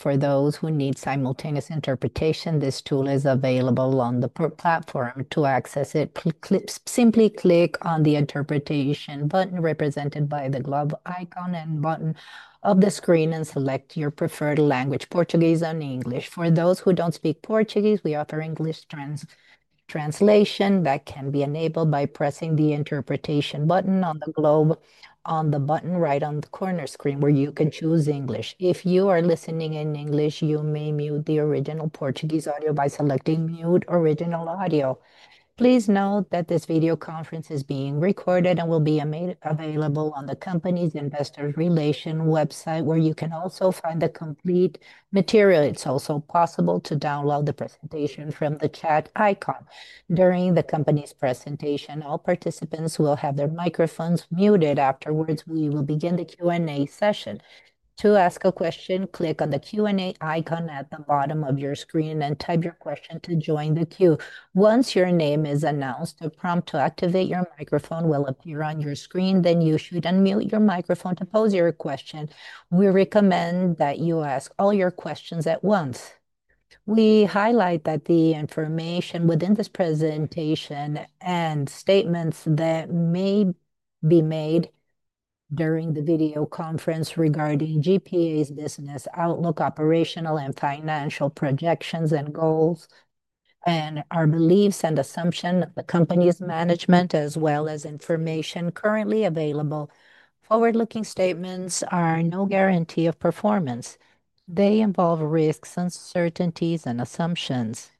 For those who need simultaneous interpretation, this tool is available on the platform. To access it, simply click on the interpretation button represented by the globe icon and button of the screen and select your preferred language: Portuguese and English. For those who don't speak Portuguese, we offer English translation that can be enabled by pressing the interpretation button on the globe, on the button right on the corner screen where you can choose English. If you are listening in English, you may mute the original Portuguese audio by selecting "Mute Original Audio." Please note that this video conference is being recorded and will be made available on the company's investor relations website, where you can also find the complete material. It's also possible to download the presentation from the chat icon. During the company's presentation, all participants will have their microphones muted. Afterwards, we will begin the Q&A session. To ask a question, click on the Q&A icon at the bottom of your screen and type your question to join the queue. Once your name is announced, a prompt to activate your microphone will appear on your screen. Then you should unmute your microphone to pose your question. We recommend that you ask all your questions at once. We highlight that the information within this presentation and statements that may be made during the video conference regarding GPA's business outlook, operational and financial projections and goals, and our beliefs and assumptions, the company's management, as well as information currently available. Forward-looking statements are no guarantee of performance. They involve risks, uncertainties, and assumptions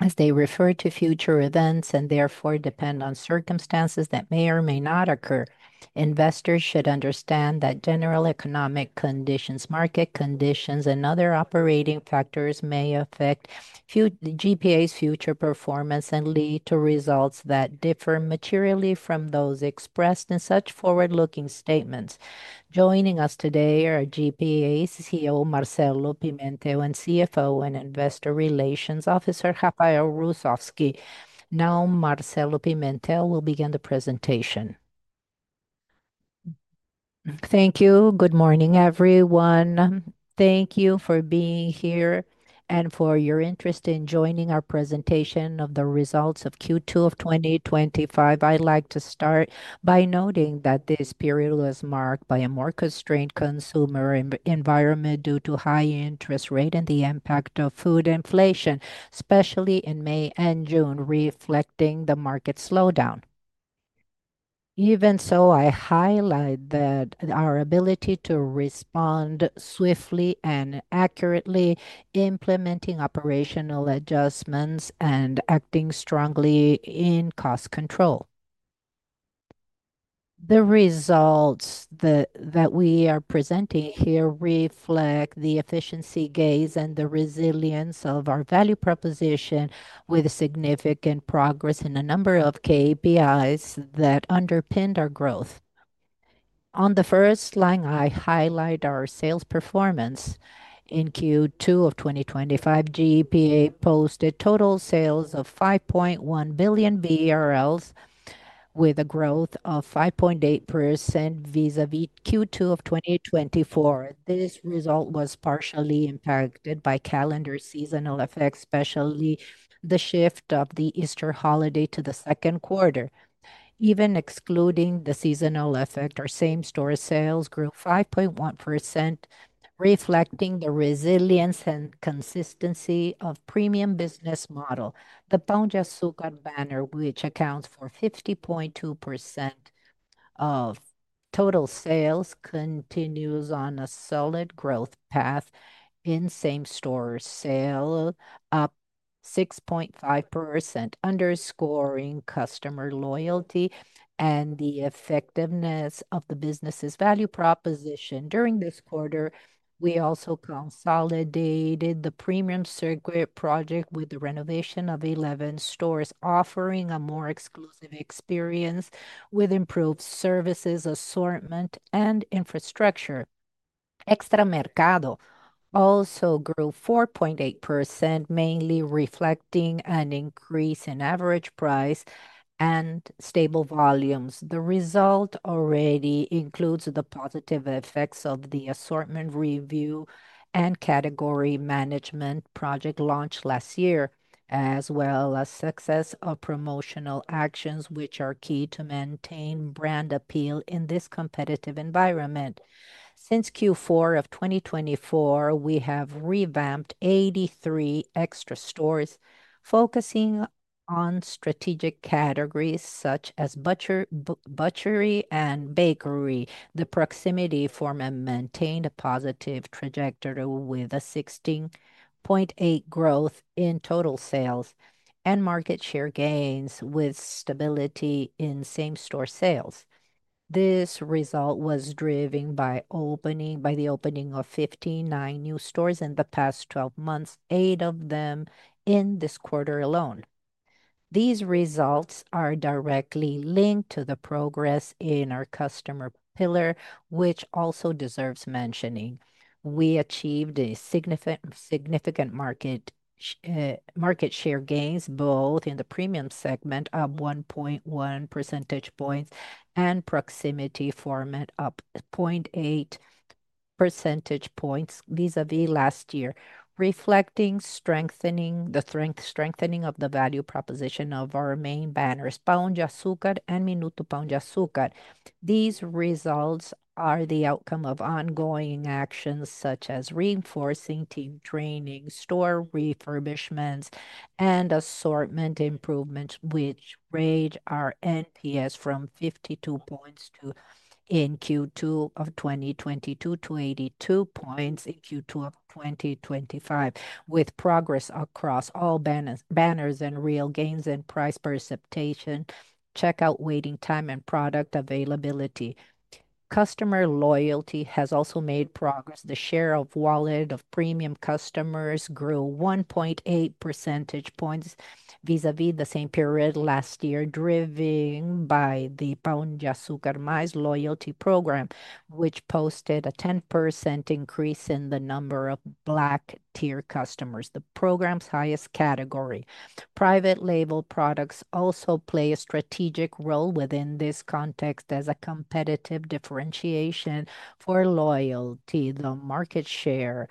as they refer to future events and therefore depend on circumstances that may or may not occur. Investors should understand that general economic conditions, market conditions, and other operating factors may affect GPA's future performance and lead to results that differ materially from those expressed in such forward-looking statements. Joining us today are GPA CEO Marcelo Pimentel and CFO and Investor Relations Officer Rafael Russowsky. Now, Marcelo Pimentel will begin the presentation. Thank you. Good morning, everyone. Thank you for being here and for your interest in joining our presentation of the results of Q2 of 2025. I'd like to start by noting that this period was marked by a more constrained consumer environment due to the high interest rate and the impact of food inflation, especially in May and June, reflecting the market slowdown. Even so, I highlight that our ability to respond swiftly and accurately, implementing operational adjustments, and acting strongly in cost control. The results that we are presenting here reflect the efficiency gaze and the resilience of our value proposition, with significant progress in a number of KPIs that underpin our growth. On the first line, I highlight our sales performance in Q2 of 2025. GPA posted total sales of 5.1 billion BRL, with a growth of 5.8% vis-à-vis Q2 of 2024. This result was partially impacted by calendar seasonal effects, especially the shift of the Easter holiday to the second quarter. Even excluding the seasonal effect, our same-store sales grew 5.1%, reflecting the resilience and consistency of the premium business model. The Pão de Açúcar banner, which accounts for 50.2% of total sales, continues on a solid growth path in same-store sales, up 6.5%, underscoring customer loyalty and the effectiveness of the business's value proposition. During this quarter, we also consolidated the premium circuit project with the renovation of 11 stores, offering a more exclusive experience with improved services, assortment, and infrastructure. Extra Mercado also grew 4.8%, mainly reflecting an increase in average price and stable volumes. The result already includes the positive effects of the assortment review and category management project launch last year, as well as the success of promotional actions, which are key to maintain brand appeal in this competitive environment. Since Q4 of 2024, we have revamped 83 Extra stores, focusing on strategic categories such as butchery and bakery. The proximity format maintained a positive trajectory with a 16.8% growth in total sales and market share gains, with stability in same-store sales. This result was driven by the opening of 59 new stores in the past 12 months, 8 of them in this quarter alone. These results are directly linked to the progress in our customer pillar, which also deserves mentioning. We achieved significant market share gains, both in the premium segment, up 1.1% points, and proximity format up 0.8% points vis-à-vis last year, reflecting the strengthening of the value proposition of our main banners, Pão de Açúcar and Minuto Pão de Açúcar. These results are the outcome of ongoing actions such as reinforcing team training, store refurbishments, and assortment improvements, which raise our NPS from 52 points in Q2 of 2022 to 82 points in Q2 of 2025, with progress across all banners and real gains in price perception, checkout waiting time, and product availability. Customer loyalty has also made progress. The share of wallet of premium customers grew 1.8% points vis-à-vis the same period last year, driven by the Pão de Açúcar Mais Loyalty Program, which posted a 10% increase in the number of Black Tier customers, the program's highest category. Private label products also play a strategic role within this context as a competitive differentiation for loyalty. With a market share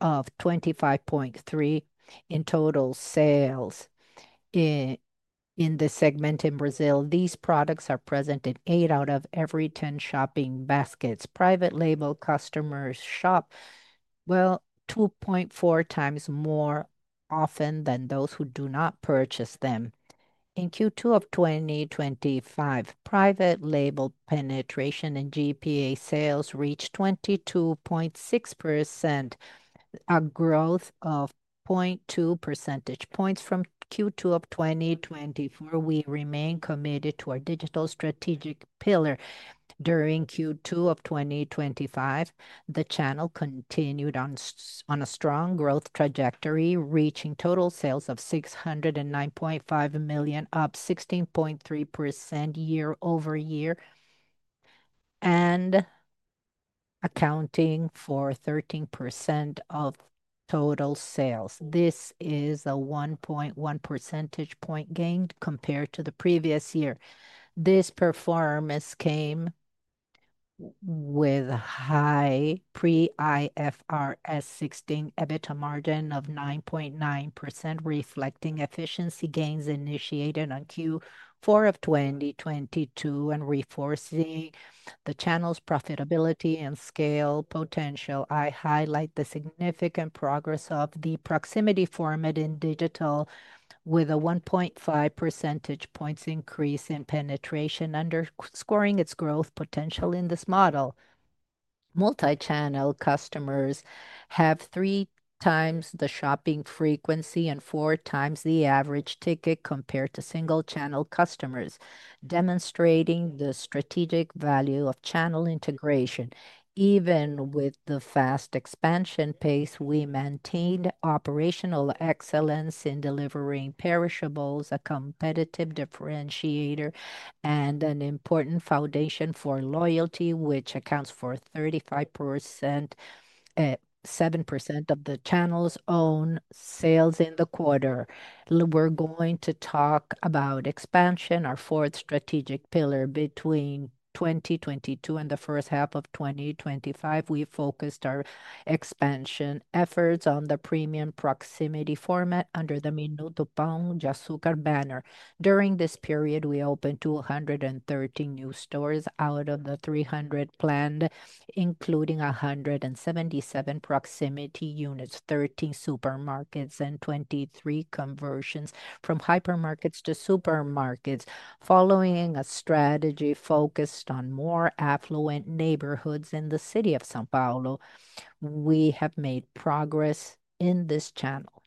of 25.3% in total sales in this segment in Brazil, these products are present in 8 out of every 10 shopping baskets. Private label customers shop 2.4 times more often than those who do not purchase them. In Q2 of 2025, private label penetration in GPA sales reached 22.6%, a growth of 0.2% points. From Q2 of 2024, we remain committed to our digital strategic pillar. During Q2 of 2025, the channel continued on a strong growth trajectory, reaching total sales of 609.5 million, up 16.3% year over year, and accounting for 13% of total sales. This is a 1.1% point gain compared to the previous year. This performance came with a high pre-IFRS 16 EBITDA margin of 9.9%, reflecting efficiency gains initiated in Q4 of 2022 and reinforcing the channel's profitability and scale potential. I highlight the significant progress of the proximity format in digital, with a 1.5% points increase in penetration, underscoring its growth potential in this model. Multi-channel customers have three times the shopping frequency and four times the average ticket compared to single-channel customers, demonstrating the strategic value of channel integration. Even with the fast expansion pace, we maintained operational excellence in delivering perishables, a competitive differentiator, and an important foundation for loyalty, which accounts for 37.7% of the channel's own sales in the quarter. We're going to talk about expansion, our fourth strategic pillar. Between 2022 and the first half of 2025, we focused our expansion efforts on the premium proximity format under the Minuto Pão de Açúcar banner. During this period, we opened 213 new stores out of the 300 planned, including 177 proximity units, 13 supermarkets, and 23 conversions from hypermarkets to supermarkets. Following a strategy focused on more affluent neighborhoods in the city of São Paulo, we have made progress in this channel.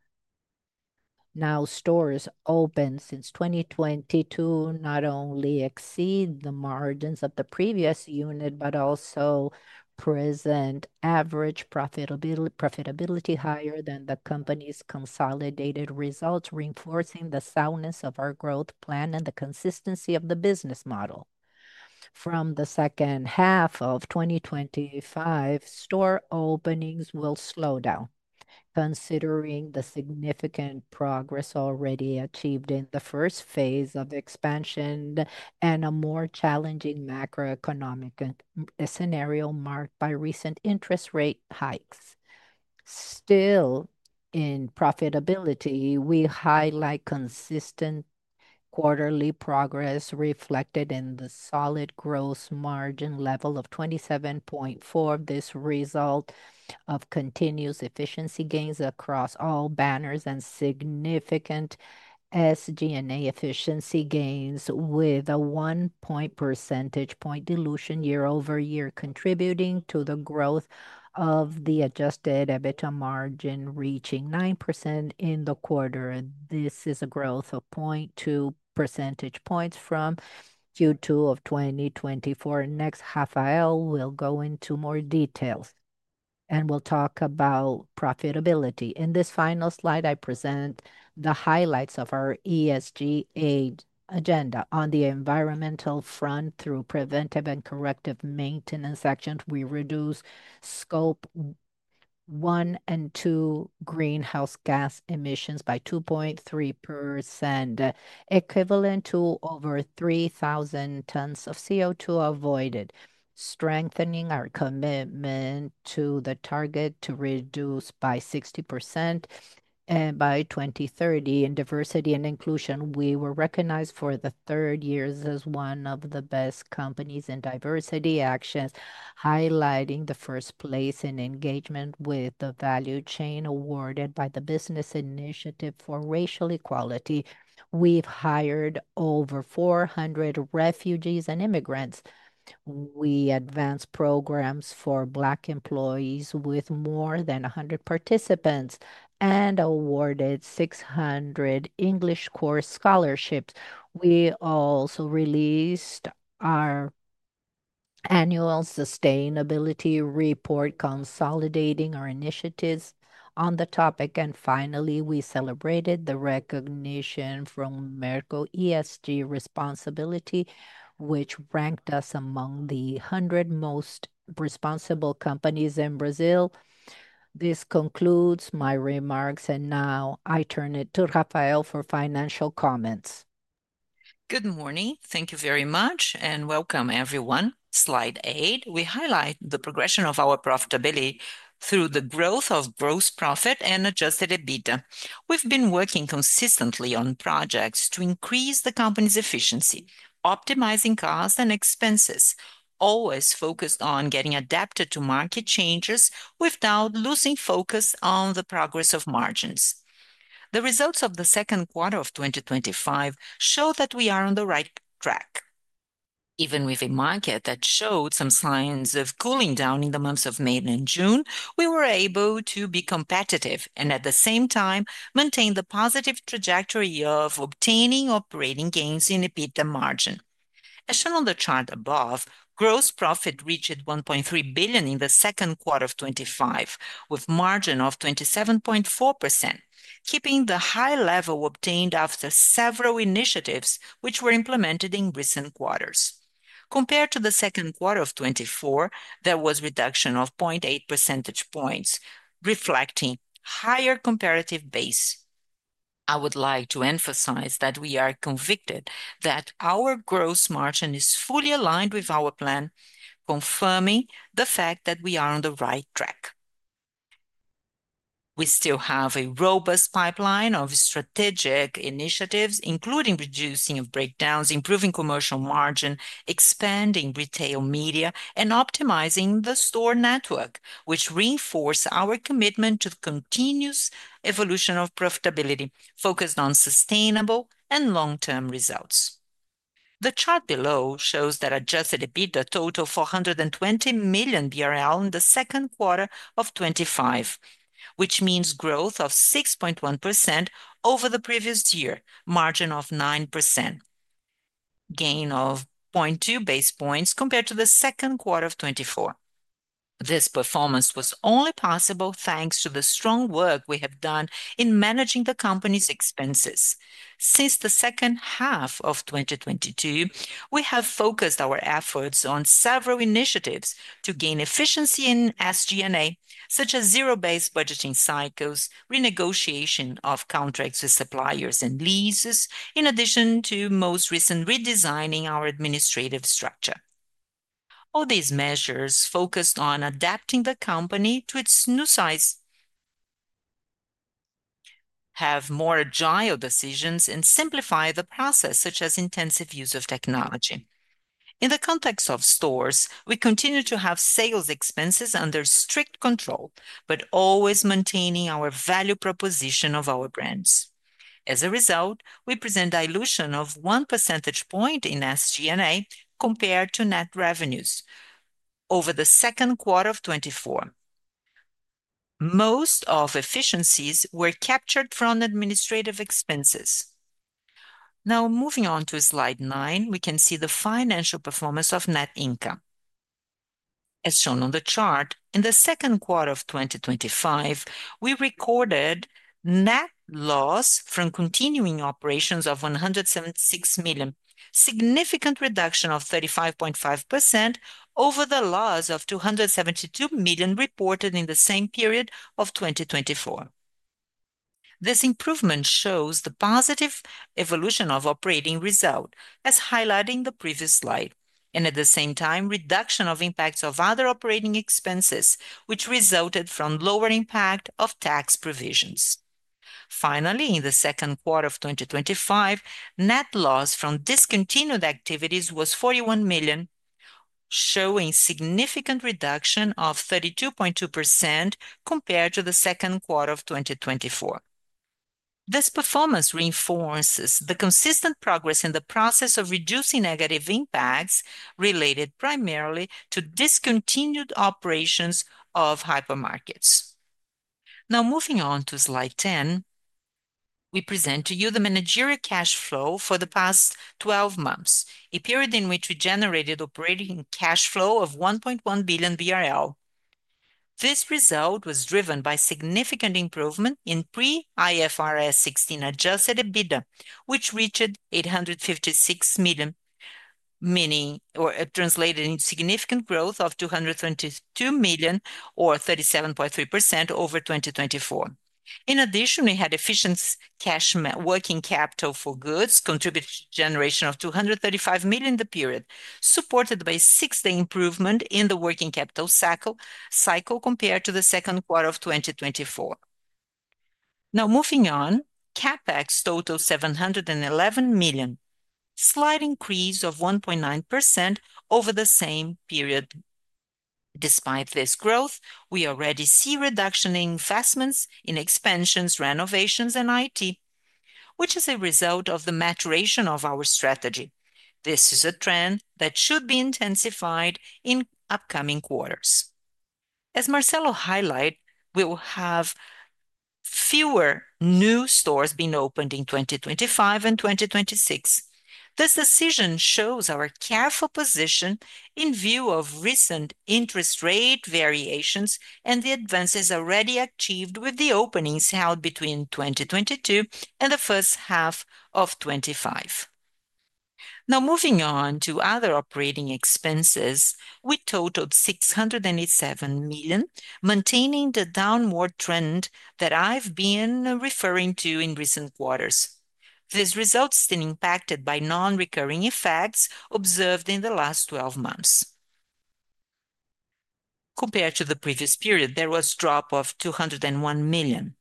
Now, stores opened since 2022 not only exceed the margins of the previous unit but also present average profitability higher than the company's consolidated results, reinforcing the soundness of our growth plan and the consistency of the business model. From the second half of 2025, store openings will slow down, considering the significant progress already achieved in the first phase of expansion and a more challenging macroeconomic scenario marked by recent interest rate hikes. Still, in profitability, we highlight consistent quarterly progress reflected in the solid gross margin level of 27.4%. This result of continuous efficiency gains across all banners and significant SG&A efficiency gains with a 1.0% point dilution year over year, contributing to the growth of the adjusted EBITDA margin reaching 9% in the quarter. This is a growth of 0.2% points from Q2 of 2024. Next, Rafael will go into more detail and will talk about profitability. In this final slide, I present the highlights of our ESG agenda. On the environmental front, through preventive and corrective maintenance actions, we reduce Scope 1 and 2 greenhouse gas emissions by 2.3%, equivalent to over 3,000 tons of CO2 avoided, strengthening our commitment to the target to reduce by 60% by 2030. In diversity and inclusion, we were recognized for the third year as one of the best companies in diversity actions, highlighting the first place in engagement with the value chain awarded by the Business Initiative for Racial Equality. We've hired over 400 refugees and immigrants. We advanced programs for Black employees with more than 100 participants and awarded 600 English course scholarships. We also released our annual sustainability report, consolidating our initiatives on the topic. Finally, we celebrated the recognition from Merkle ESG Responsibility, which ranked us among the 100 most responsible companies in Brazil. This concludes my remarks, and now I turn it to Rafael for financial comments. Good morning. Thank you very much and welcome, everyone. Slide eight, we highlight the progression of our profitability through the growth of gross profit and adjusted EBITDA. We've been working consistently on projects to increase the company's efficiency, optimizing costs and expenses, always focused on getting adapted to market changes without losing focus on the progress of margins. The results of the second quarter of 2025 show that we are on the right track. Even with a market that showed some signs of cooling down in the months of May and June, we were able to be competitive and, at the same time, maintain the positive trajectory of obtaining operating gains in EBITDA margin. As shown on the chart above, gross profit reached 1.3 billion in the second quarter of 2025, with a margin of 27.4%, keeping the high level obtained after several initiatives which were implemented in recent quarters. Compared to the second quarter of 2024, there was a reduction of 0.8 percentage points, reflecting a higher comparative base. I would like to emphasize that we are convinced that our gross margin is fully aligned with our plan, confirming the fact that we are on the right track. We still have a robust pipeline of strategic initiatives, including reducing breakdowns, improving commercial margin, expanding retail media, and optimizing the store network, which reinforce our commitment to the continuous evolution of profitability, focused on sustainable and long-term results. The chart below shows that adjusted EBITDA totaled 420 million BRL in the second quarter of 2025, which means a growth of 6.1% over the previous year, a margin of 9%, and a gain of 0.2 percentage points compared to the second quarter of 2024. This performance was only possible thanks to the strong work we have done in managing the company's expenses. Since the second half of 2022, we have focused our efforts on several initiatives to gain efficiency in SG&A, such as zero-based budgeting cycles, renegotiation of contracts with suppliers, and leases, in addition to the most recent redesigning of our administrative structure. All these measures focused on adapting the company to its new size, have more agile decisions, and simplify the process, such as intensive use of technology. In the context of stores, we continue to have sales expenses under strict control, but always maintaining our value proposition of our brands. As a result, we present a dilution of 1% point in SG&A compared to net revenues over the second quarter of 2024. Most of efficiencies were captured from administrative expenses. Now, moving on to slide nine, we can see the financial performance of net income. As shown on the chart, in the second quarter of 2025, we recorded net loss from continuing operations of 176 million, a significant reduction of 35.5% over the loss of 272 million reported in the same period of 2024. This improvement shows the positive evolution of operating results, as highlighted in the previous slide, and at the same time, a reduction of the impacts of other operating expenses, which resulted from the lower impact of tax provisions. Finally, in the second quarter of 2025, net loss from discontinued activities was 41 million, showing a significant reduction of 32.2% compared to the second quarter of 2024. This performance reinforces the consistent progress in the process of reducing negative impacts related primarily to discontinued operations of hypermarkets. Now, moving on to slide ten, we present to you the managerial cash flow for the past 12 months, a period in which we generated operating cash flow of 1.1 billion BRL. This result was driven by a significant improvement in pre-IFRS 16 adjusted EBITDA, which reached 856 million, meaning or translated in significant growth of 232 million or 37.3% over 2024. In addition, we had efficient cash working capital for goods contributed to the generation of 235 million in the period, supported by a six-day improvement in the working capital cycle compared to the second quarter of 2024. Now, moving on, CapEx totaled 711 million, a slight increase of 1.9% over the same period. Despite this growth, we already see a reduction in investments in expansions, renovations, and IT, which is a result of the maturation of our strategy. This is a trend that should be intensified in upcoming quarters. As Marcelo highlighted, we will have fewer new stores being opened in 2025 and 2026. This decision shows our careful position in view of recent interest rate variations and the advances already achieved with the openings held between 2022 and the first half of 2025. Now, moving on to other operating expenses, we totaled 687 million, maintaining the downward trend that I've been referring to in recent quarters. This result has been impacted by non-recurring effects observed in the last 12 months. Compared to the previous period, there was a drop of 201 million.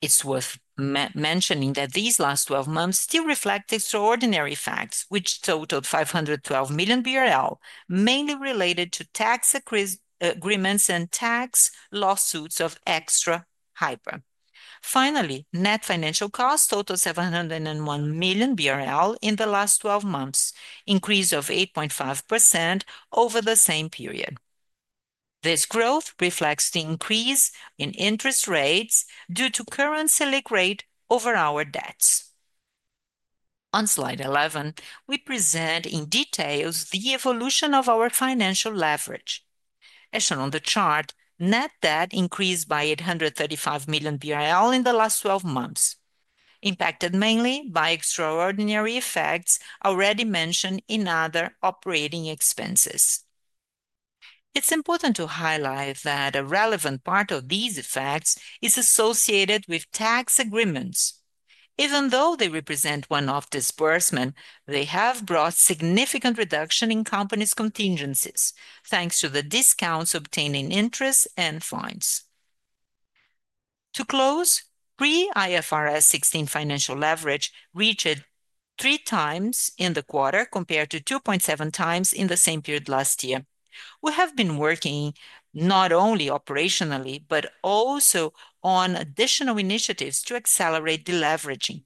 It's worth mentioning that these last 12 months still reflect extraordinary facts, which totaled 512 million BRL, mainly related to tax agreements and tax lawsuits of Extra Hyper. Finally, net financial cost totaled 701 million BRL in the last 12 months, an increase of 8.5% over the same period. This growth reflects the increase in interest rates due to the current selling rate over our debts. On slide 11, we present in detail the evolution of our financial leverage. As shown on the chart, net debt increased by 835 million BRL in the last 12 months, impacted mainly by extraordinary effects already mentioned in other operating expenses. It's important to highlight that a relevant part of these effects is associated with tax agreements. Even though they represent one-off disbursements, they have brought a significant reduction in the company's contingencies, thanks to the discounts obtained in interest and fines. To close, pre-IFRS 16 financial leverage reached three times in the quarter compared to 2.7 times in the same period last year. We have been working not only operationally but also on additional initiatives to accelerate the leveraging.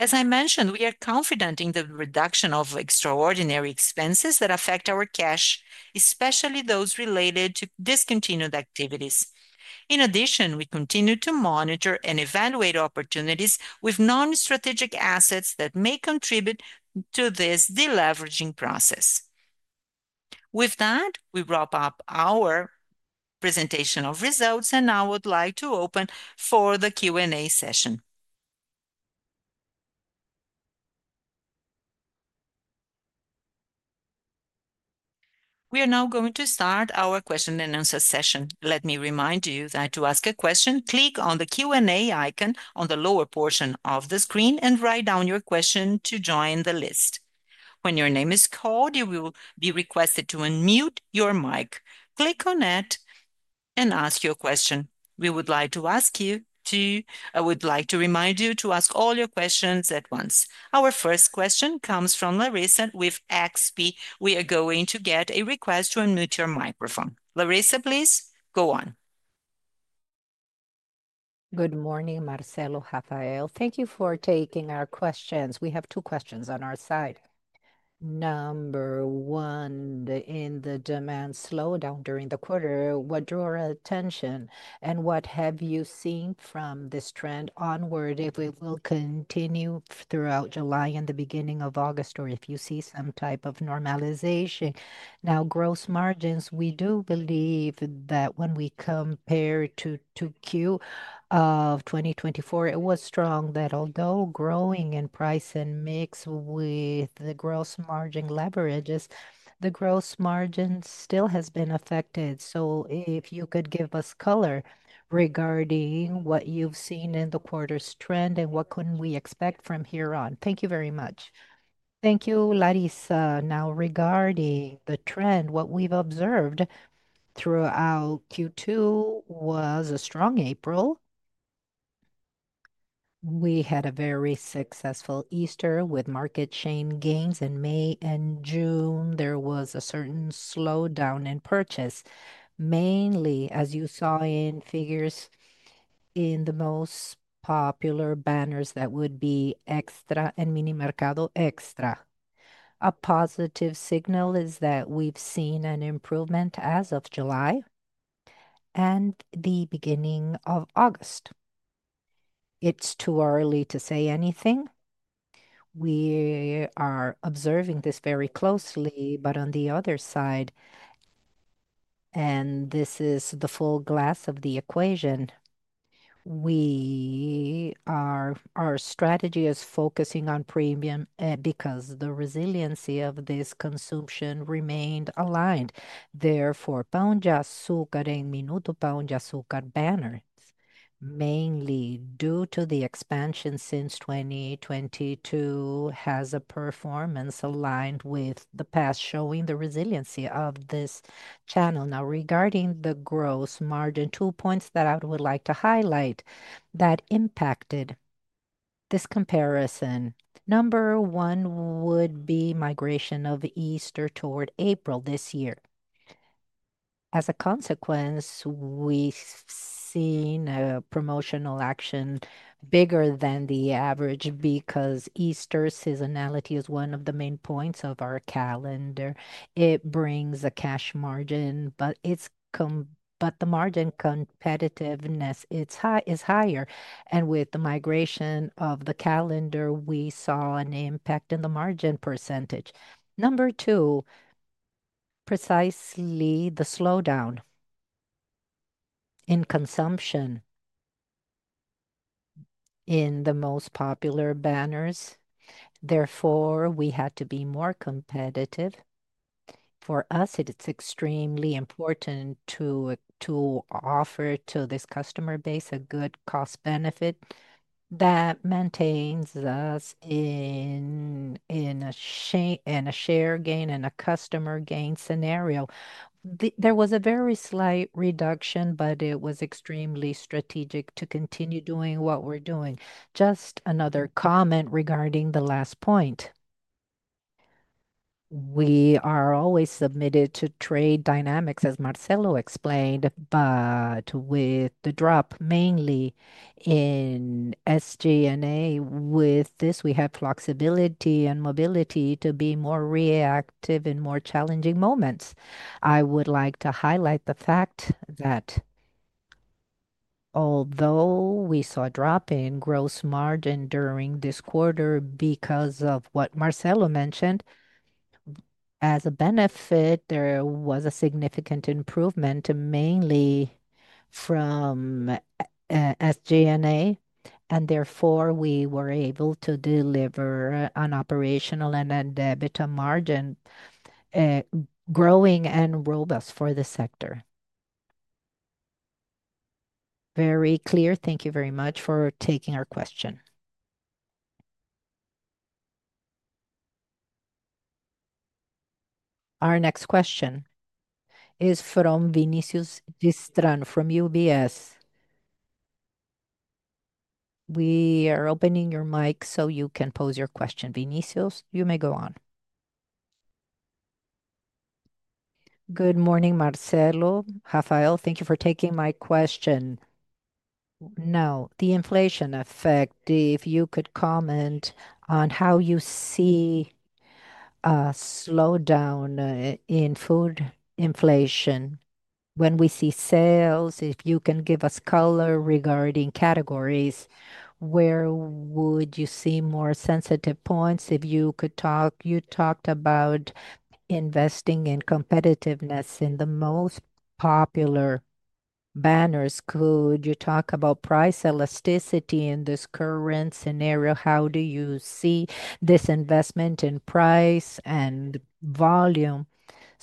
As I mentioned, we are confident in the reduction of extraordinary expenses that affect our cash, especially those related to discontinued activities. In addition, we continue to monitor and evaluate opportunities with non-strategic assets that may contribute to this deleveraging process. With that, we wrap up our presentation of results, and I would like to open for the Q&A session. We are now going to start our question and answer session. Let me remind you that to ask a question, click on the Q&A icon on the lower portion of the screen and write down your question to join the list. When your name is called, you will be requested to unmute your mic. Click on it and ask your question. I would like to remind you to ask all your questions at once. Our first question comes from Larissa with XP. We are going to get a request to unmute your microphone. Larissa, please go on. Good morning, Marcelo, Rafael. Thank you for taking our questions. We have two questions on our side. Number one, in the demand slowdown during the quarter, what drew our attention and what have you seen from this trend onward if it will continue throughout July and the beginning of August, or if you see some type of normalization? Now, gross margins, we do believe that when we compare to Q2 of 2024, it was strong that although growing in price and mixed with the gross margin leverages, the gross margin still has been affected. If you could give us color regarding what you've seen in the quarter's trend and what can we expect from here on. Thank you very much. Thank you, Larissa. Now, regarding the trend, what we've observed throughout Q2 was a strong April. We had a very successful Easter with market share gains. In May and June, there was a certain slowdown in purchase, mainly as you saw in figures in the most popular banners that would be Extra and Aliados Minimercado. A positive signal is that we've seen an improvement as of July and the beginning of August. It's too early to say anything. We are observing this very closely, but on the other side, and this is the full glass of the equation, our strategy is focusing on premium because the resiliency of this consumption remained aligned. Therefore, Pão de Açúcar and Minuto Pão de Açúcar banners, mainly due to the expansion since 2022, have a performance aligned with the past, showing the resiliency of this channel. Now, regarding the gross margin, two points that I would like to highlight that impacted this comparison. Number one would be the migration of Easter toward April this year. As a consequence, we've seen a promotional action bigger than the average because Easter seasonality is one of the main points of our calendar. It brings a cash margin, but the margin competitiveness is higher. With the migration of the calendar, we saw an impact in the margin percentage. Number two, precisely the slowdown in consumption in the most popular banners. Therefore, we had to be more competitive. For us, it's extremely important to offer to this customer base a good cost-benefit that maintains us in a share gain and a customer gain scenario. There was a very slight reduction, but it was extremely strategic to continue doing what we're doing. Just another comment regarding the last point. We are always submitted to trade dynamics, as Marcelo explained, but with the drop mainly in SG&A, with this, we have flexibility and mobility to be more reactive in more challenging moments. I would like to highlight the fact that although we saw a drop in gross margin during this quarter because of what Marcelo mentioned, as a benefit, there was a significant improvement mainly from SG&A, and therefore, we were able to deliver an operational and EBITDA margin growing and robust for the sector. Very clear. Thank you very much for taking our question. Our next question is from Vinicius de Strand from UBS. We are opening your mic so you can pose your question. Vinicius, you may go on. Good morning, Marcelo, Rafael. Thank you for taking my question. Now, the inflation effect, if you could comment on how you see a slowdown in food inflation when we see sales, if you can give us color regarding categories, where would you see more sensitive points? If you could talk, you talked about investing in competitiveness in the most popular banners. Could you talk about price elasticity in this current scenario? How do you see this investment in price and volume?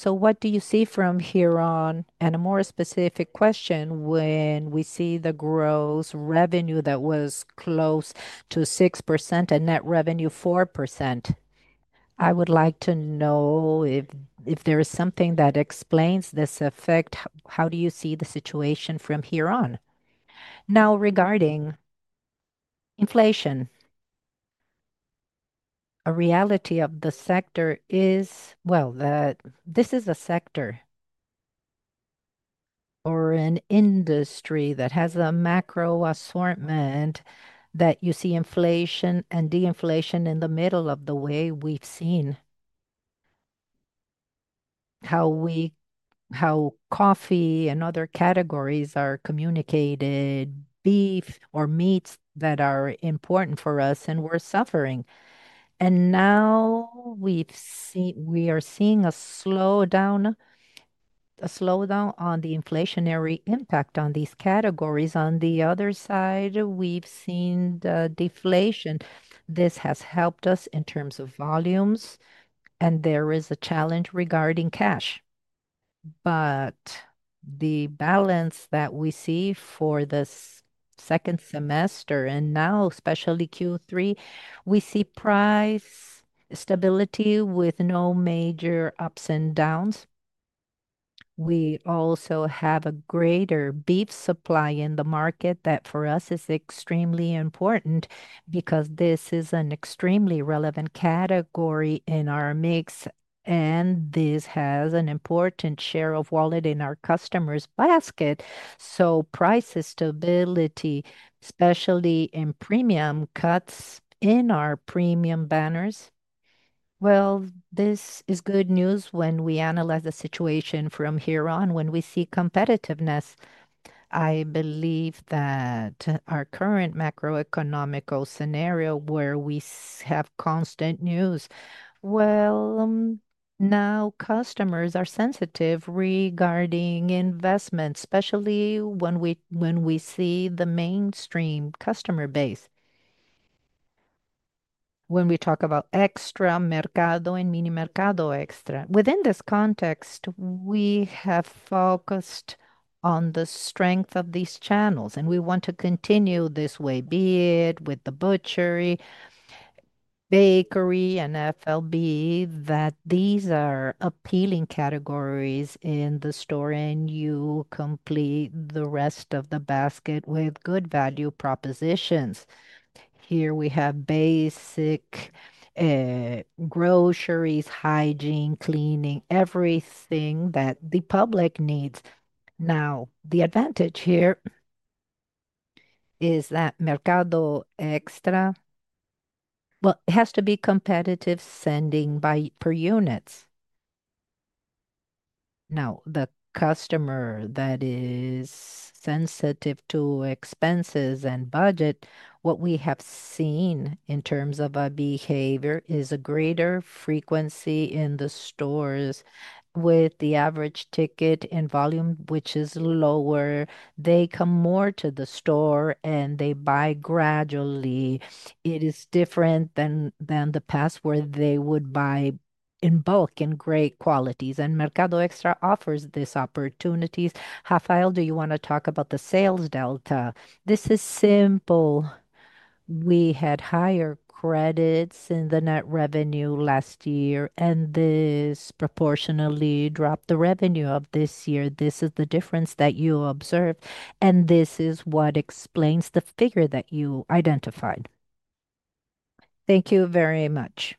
What do you see from here on? A more specific question, when we see the gross revenue that was close to 6% and net revenue 4%, I would like to know if there is something that explains this effect. How do you see the situation from here on? Now, regarding inflation, a reality of the sector is that this is a sector or an industry that has a macro assortment that you see inflation and deinflation in the middle of the way. We've seen how coffee and other categories are communicated, beef or meats that are important for us, and we're suffering. Now we've seen, we are seeing a slowdown, a slowdown on the inflationary impact on these categories. On the other side, we've seen the deflation. This has helped us in terms of volumes, and there is a challenge regarding cash. The balance that we see for this second semester, and now especially Q3, we see price stability with no major ups and downs. We also have a greater beef supply in the market that for us is extremely important because this is an extremely relevant category in our mix, and this has an important share of wallet in our customers' basket. Price stability, especially in premium cuts in our premium banners, is good news when we analyze the situation from here on. When we see competitiveness, I believe that our current macroeconomic scenario where we have constant news, customers are sensitive regarding investments, especially when we see the mainstream customer base. When we talk about Mercado Extra and Minimercado Extra, within this context, we have focused on the strength of these channels, and we want to continue this way, be it with the butchery, bakery, and FLB, that these are appealing categories in the store, and you complete the rest of the basket with good value propositions. Here we have basic groceries, hygiene, cleaning, everything that the public needs. The advantage here is that Mercado Extra, it has to be competitive selling by per units. The customer that is sensitive to expenses and budget, what we have seen in terms of behavior is a greater frequency in the stores with the average ticket in volume, which is lower. They come more to the store, and they buy gradually. It is different than the past where they would buy in bulk and great quantities. Mercado Extra offers this opportunity. Rafael, do you want to talk about the sales delta? This is simple. We had higher credits in the net revenue last year, and this proportionately dropped the revenue of this year. This is the difference that you observed, and this is what explains the figure that you identified. Thank you very much.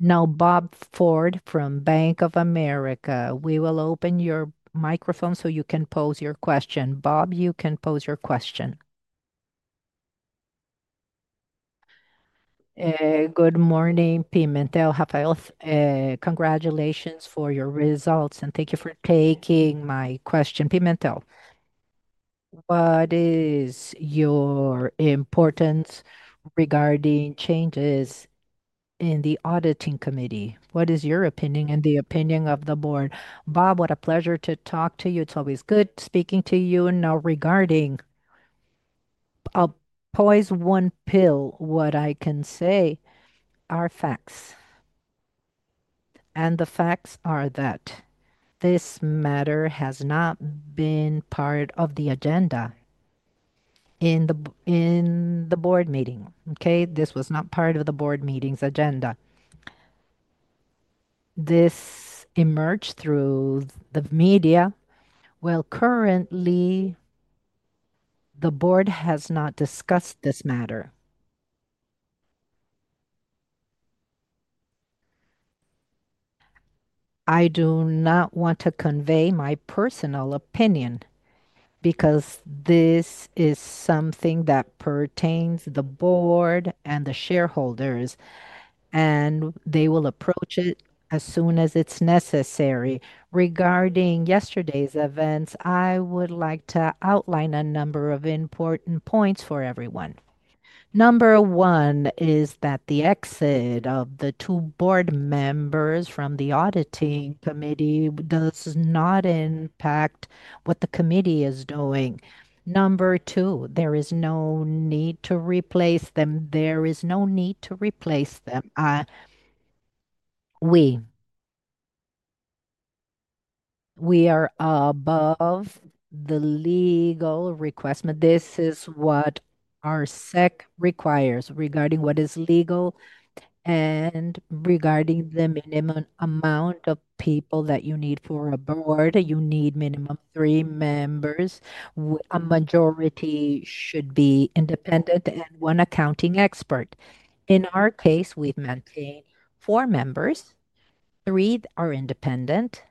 Now, Bob Ford from Bank of America, we will open your microphone so you can pose your question. Bob, you can pose your question. Good morning, Pimentel, Rafael. Congratulations for your results, and thank you for taking my question. Pimentel, what is your importance regarding changes in the auditing committee? What is your opinion and the opinion of the board? Bob, what a pleasure to talk to you. It's always good speaking to you. Now, regarding a poison pill, what I can say are facts. The facts are that this matter has not been part of the agenda in the board meeting. Okay? This was not part of the board meeting's agenda. This emerged through the media. Currently, the board has not discussed this matter. I do not want to convey my personal opinion because this is something that pertains to the board and the shareholders, and they will approach it as soon as it's necessary. Regarding yesterday's events, I would like to outline a number of important points for everyone. Number one is that the exit of the two board members from the auditing committee does not impact what the committee is doing. Number two, there is no need to replace them. There is no need to replace them. We are above the legal request. This is what our SEC requires regarding what is legal and regarding the minimum amount of people that you need for a board. You need minimum three members. A majority should be independent and one accounting expert. In our case, we've maintained four members. Three are independent,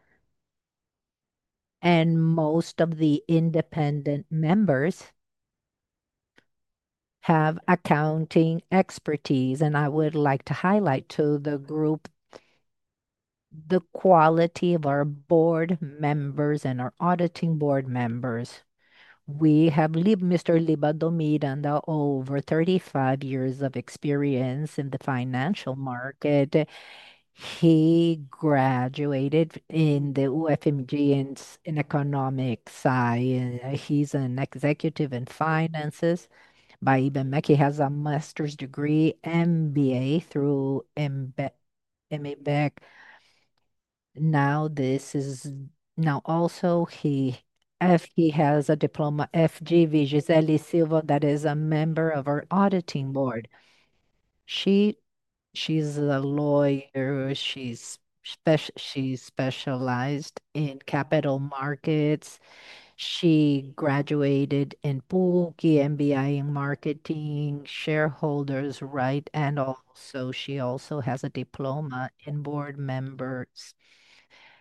and most of the independent members have accounting expertise. I would like to highlight to the group the quality of our board members and our auditing board members. We have Mr. [Liba Domingo], over 35 years of experience in the financial market. He graduated in the UFMG in Economics. He's an executive in finances. By IBM, he has a master's degree, MBA through MABEC. Now, this is now also he has a diploma, FGV Gisele Silva, that is a member of our auditing board. She's a lawyer. She's specialized in capital markets. She graduated in PUC, MBI in Marketing, Shareholders Right, and also she also has a diploma in Board Members.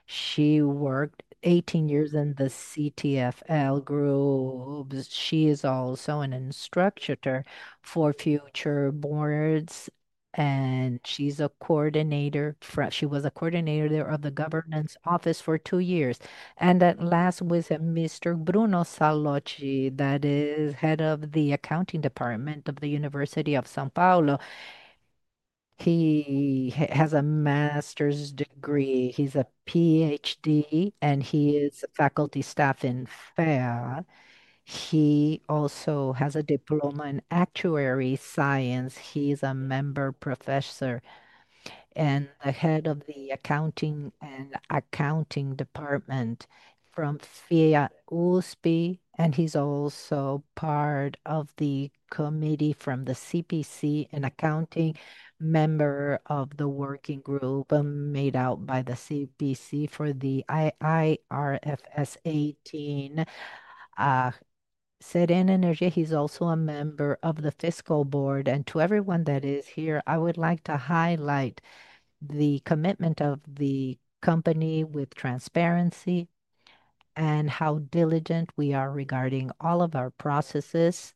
She worked 18 years in the CTFL group. She is also an instructor for future boards, and she's a coordinator. She was a coordinator of the Governance Office for two years. At last was Mr. Bruno Salotti, that is head of the Accounting Department of the University of São Paulo. He has a master's degree. He's a PhD, and he is a faculty staff in FEA. He also has a diploma in Actuary Science. He's a member professor and the Head of the Accounting and Accounting Department from FEA USP, and he's also part of the committee from the CPC in Accounting, member of the working group made out by the CPC for the IFRS 18. Serena Energia, he's also a member of the Fiscal Board. To everyone that is here, I would like to highlight the commitment of the company with transparency and how diligent we are regarding all of our processes.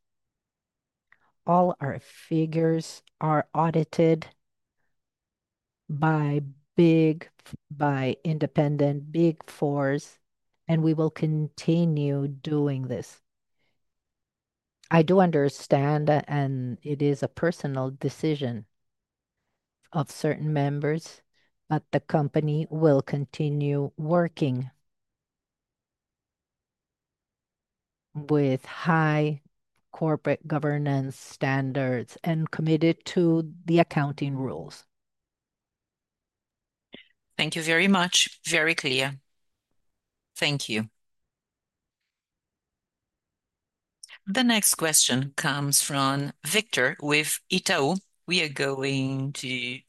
All our figures are audited by independent Big Fours, and we will continue doing this. I do understand, and it is a personal decision of certain members, but the company will continue working with high corporate governance standards and committed to the accounting rules. Thank you very much. Very clear. Thank you. The next question comes from Victor with Itaú. We are going to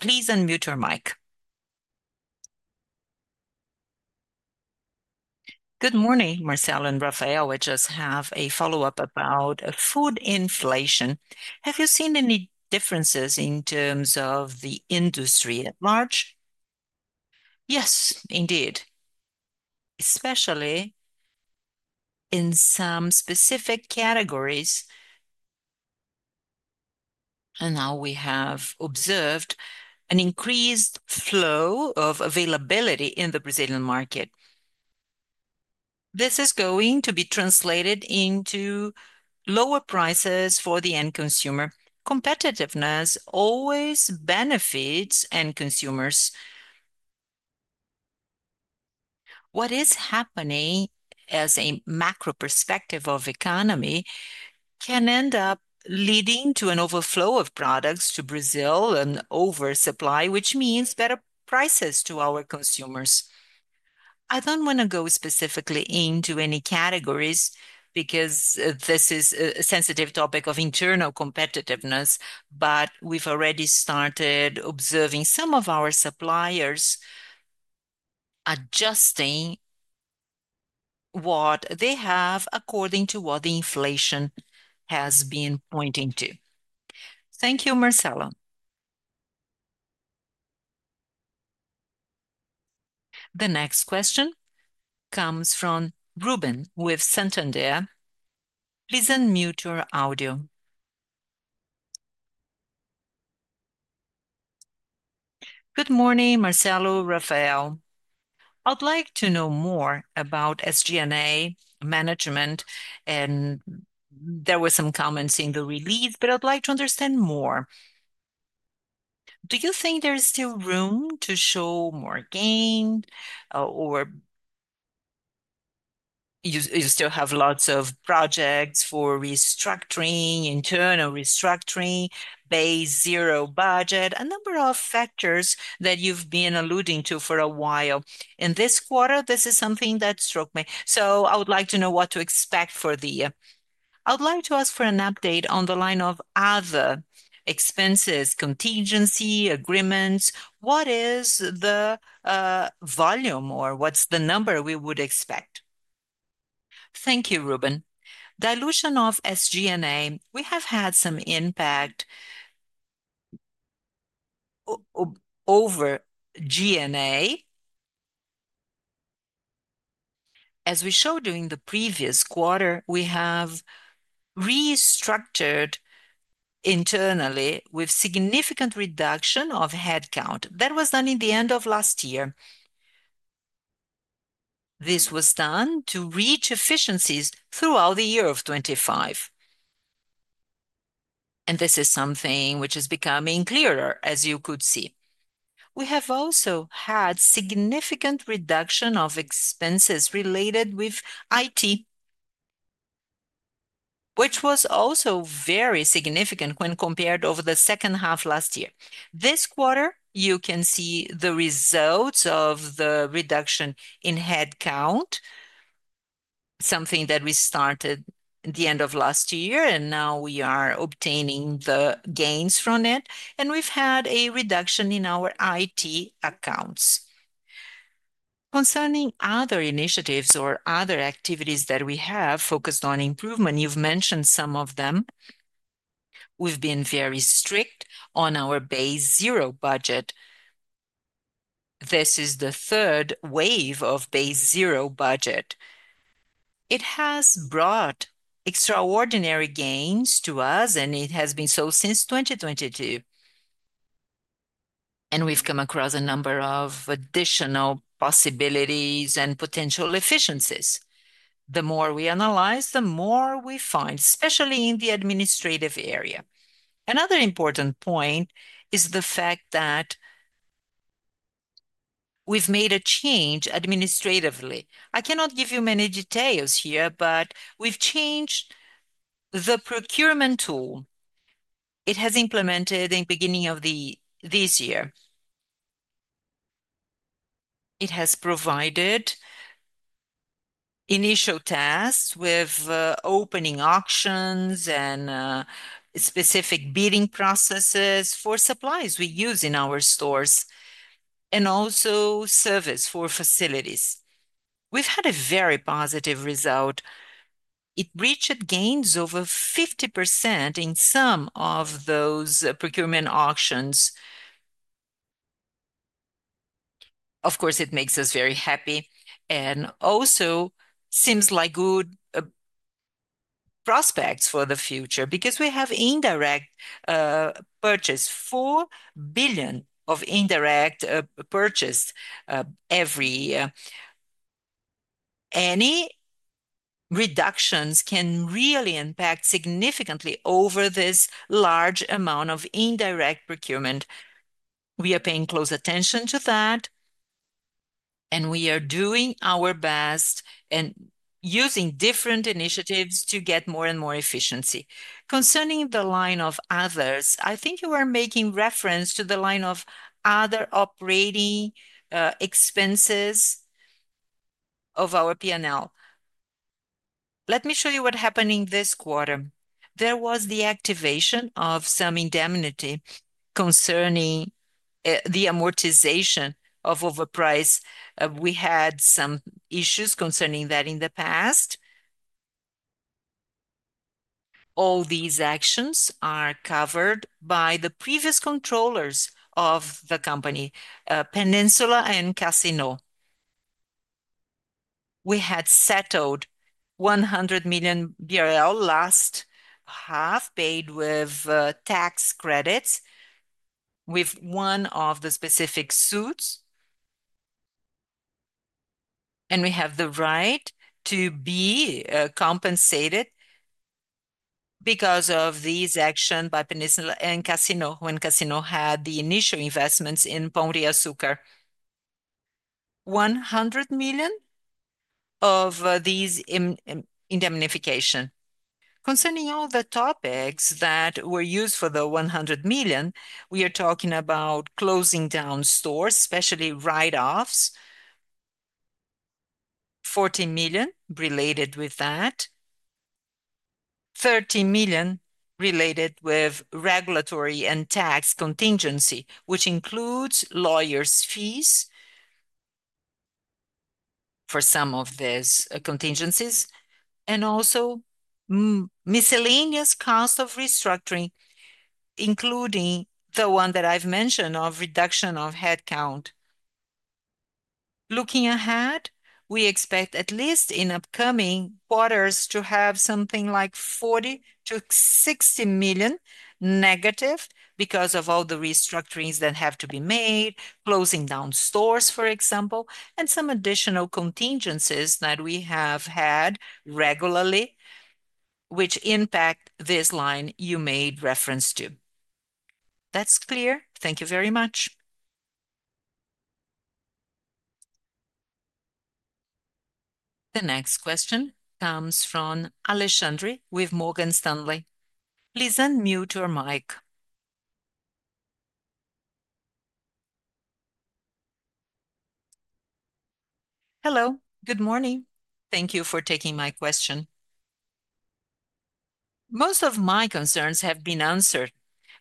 please unmute your mic. Good morning, Marcelo and Rafael. We just have a follow-up about food inflation. Have you seen any differences in terms of the industry at large? Yes, indeed, especially in some specific categories. Now we have observed an increased flow of availability in the Brazilian market. This is going to be translated into lower prices for the end consumer. Competitiveness always benefits end consumers. What is happening as a macro perspective of the economy can end up leading to an overflow of products to Brazil and oversupply, which means better prices to our consumers. I don't want to go specifically into any categories because this is a sensitive topic of internal competitiveness, but we've already started observing some of our suppliers adjusting what they have according to what the inflation has been pointing to. Thank you, Marcelo. The next question comes from Ruben with Santander. Please unmute your audio. Good morning, Marcelo, Rafael. I'd like to know more about SG&A management, and there were some comments in the release, but I'd like to understand more. Do you think there's still room to show more gain or you still have lots of projects for restructuring, internal restructuring, base zero budget, a number of factors that you've been alluding to for a while? In this quarter, this is something that struck me. I would like to know what to expect for the... I would like to ask for an update on the line of other expenses, contingency, agreements. What is the volume or what's the number we would expect? Thank you, Ruben. Dilution of SG&A. We have had some impact over G&A. As we showed during the previous quarter, we have restructured internally with significant reduction of headcount. That was done at the end of last year. This was done to reach efficiencies throughout the year of 2025. This is something which is becoming clearer, as you could see. We have also had significant reduction of expenses related with IT, which was also very significant when compared over the second half last year. This quarter, you can see the results of the reduction in headcount, something that we started at the end of last year, and now we are obtaining the gains from it. We've had a reduction in our IT accounts. Concerning other initiatives or other activities that we have focused on improvement, you've mentioned some of them. We've been very strict on our zero-based budgeting. This is the third wave of zero-based budgeting. It has brought extraordinary gains to us, and it has been so since 2022. We've come across a number of additional possibilities and potential efficiencies. The more we analyze, the more we find, especially in the administrative area. Another important point is the fact that we've made a change administratively. I cannot give you many details here, but we've changed the procurement tool. It was implemented in the beginning of this year. It has provided initial tasks with opening auctions and specific bidding processes for supplies we use in our stores and also services for facilities. We've had a very positive result. It reached gains over 50% in some of those procurement auctions. Of course, it makes us very happy and also seems like good prospects for the future because we have BRL 4 billion of indirect purchases every year. Any reductions can really impact significantly over this large amount of indirect procurement. We are paying close attention to that, and we are doing our best and using different initiatives to get more and more efficiency. Concerning the line of others, I think you are making reference to the line of other operating expenses of our P&L. Let me show you what happened in this quarter. There was the activation of some indemnity concerning the amortization of overprice. We had some issues concerning that in the past. All these actions are covered by the previous controllers of the company, Peninsula and Casino. We had settled 100 million BRL last half, paid with tax credits, with one of the specific suits, and we have the right to be compensated because of these actions by Peninsula and Casino when Casino had the initial investments in Pão de Açúcar. BRL 100 million of these indemnification. Concerning all the topics that were used for the 100 million, we are talking about closing down stores, especially write-offs. 14 million related with that. 13 million related with regulatory and tax contingency, which includes lawyers' fees for some of these contingencies, and also miscellaneous cost of restructuring, including the one that I've mentioned of reduction of headcount. Looking ahead, we expect at least in upcoming quarters to have something like 40 million to 60 million negative because of all the restructurings that have to be made, closing down stores, for example, and some additional contingencies that we have had regularly, which impact this line you made reference to. That's clear. Thank you very much. The next question comes from Alexandre with Morgan Stanley. Please unmute your mic. Hello. Good morning. Thank you for taking my question. Most of my concerns have been answered,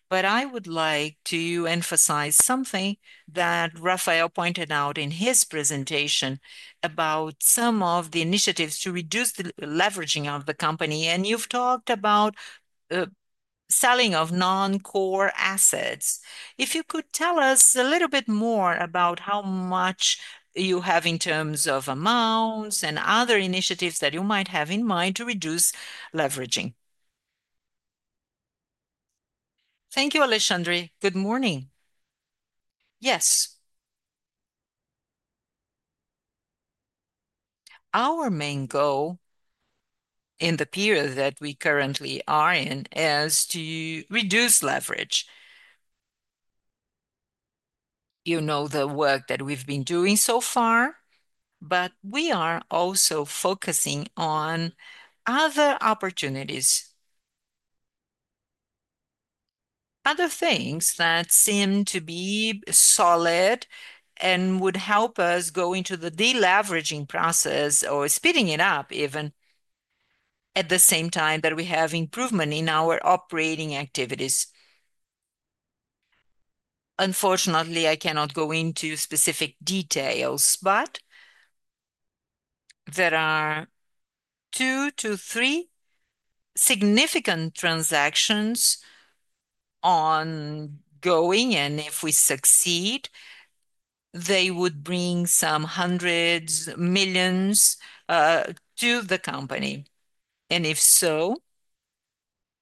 but I would like to emphasize something that Rafael pointed out in his presentation about some of the initiatives to reduce the leveraging of the company, and you've talked about the selling of non-core assets. If you could tell us a little bit more about how much you have in terms of amounts and other initiatives that you might have in mind to reduce leveraging. Thank you, Alexandre. Good morning. Yes. Our main goal in the period that we currently are in is to reduce leverage. You know the work that we've been doing so far, but we are also focusing on other opportunities, other things that seem to be solid and would help us go into the deleveraging process or speeding it up even at the same time that we have improvement in our operating activities. Unfortunately, I cannot go into specific details, but there are two to three significant transactions ongoing, and if we succeed, they would bring some hundreds of millions to the company. If so,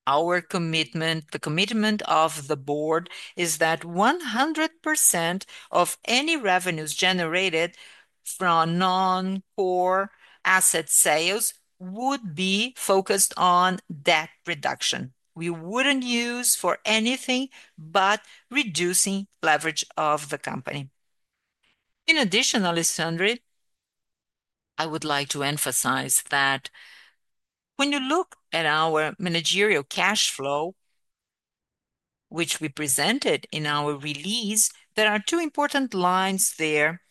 our commitment, the commitment of the board is that 100% of any revenues generated from non-core asset sales would be focused on debt reduction. We wouldn't use for anything but reducing leverage of the company. In addition, Alexandre, I would like to emphasize that when you look at our managerial cash flow, which we presented in our release, there are two important lines there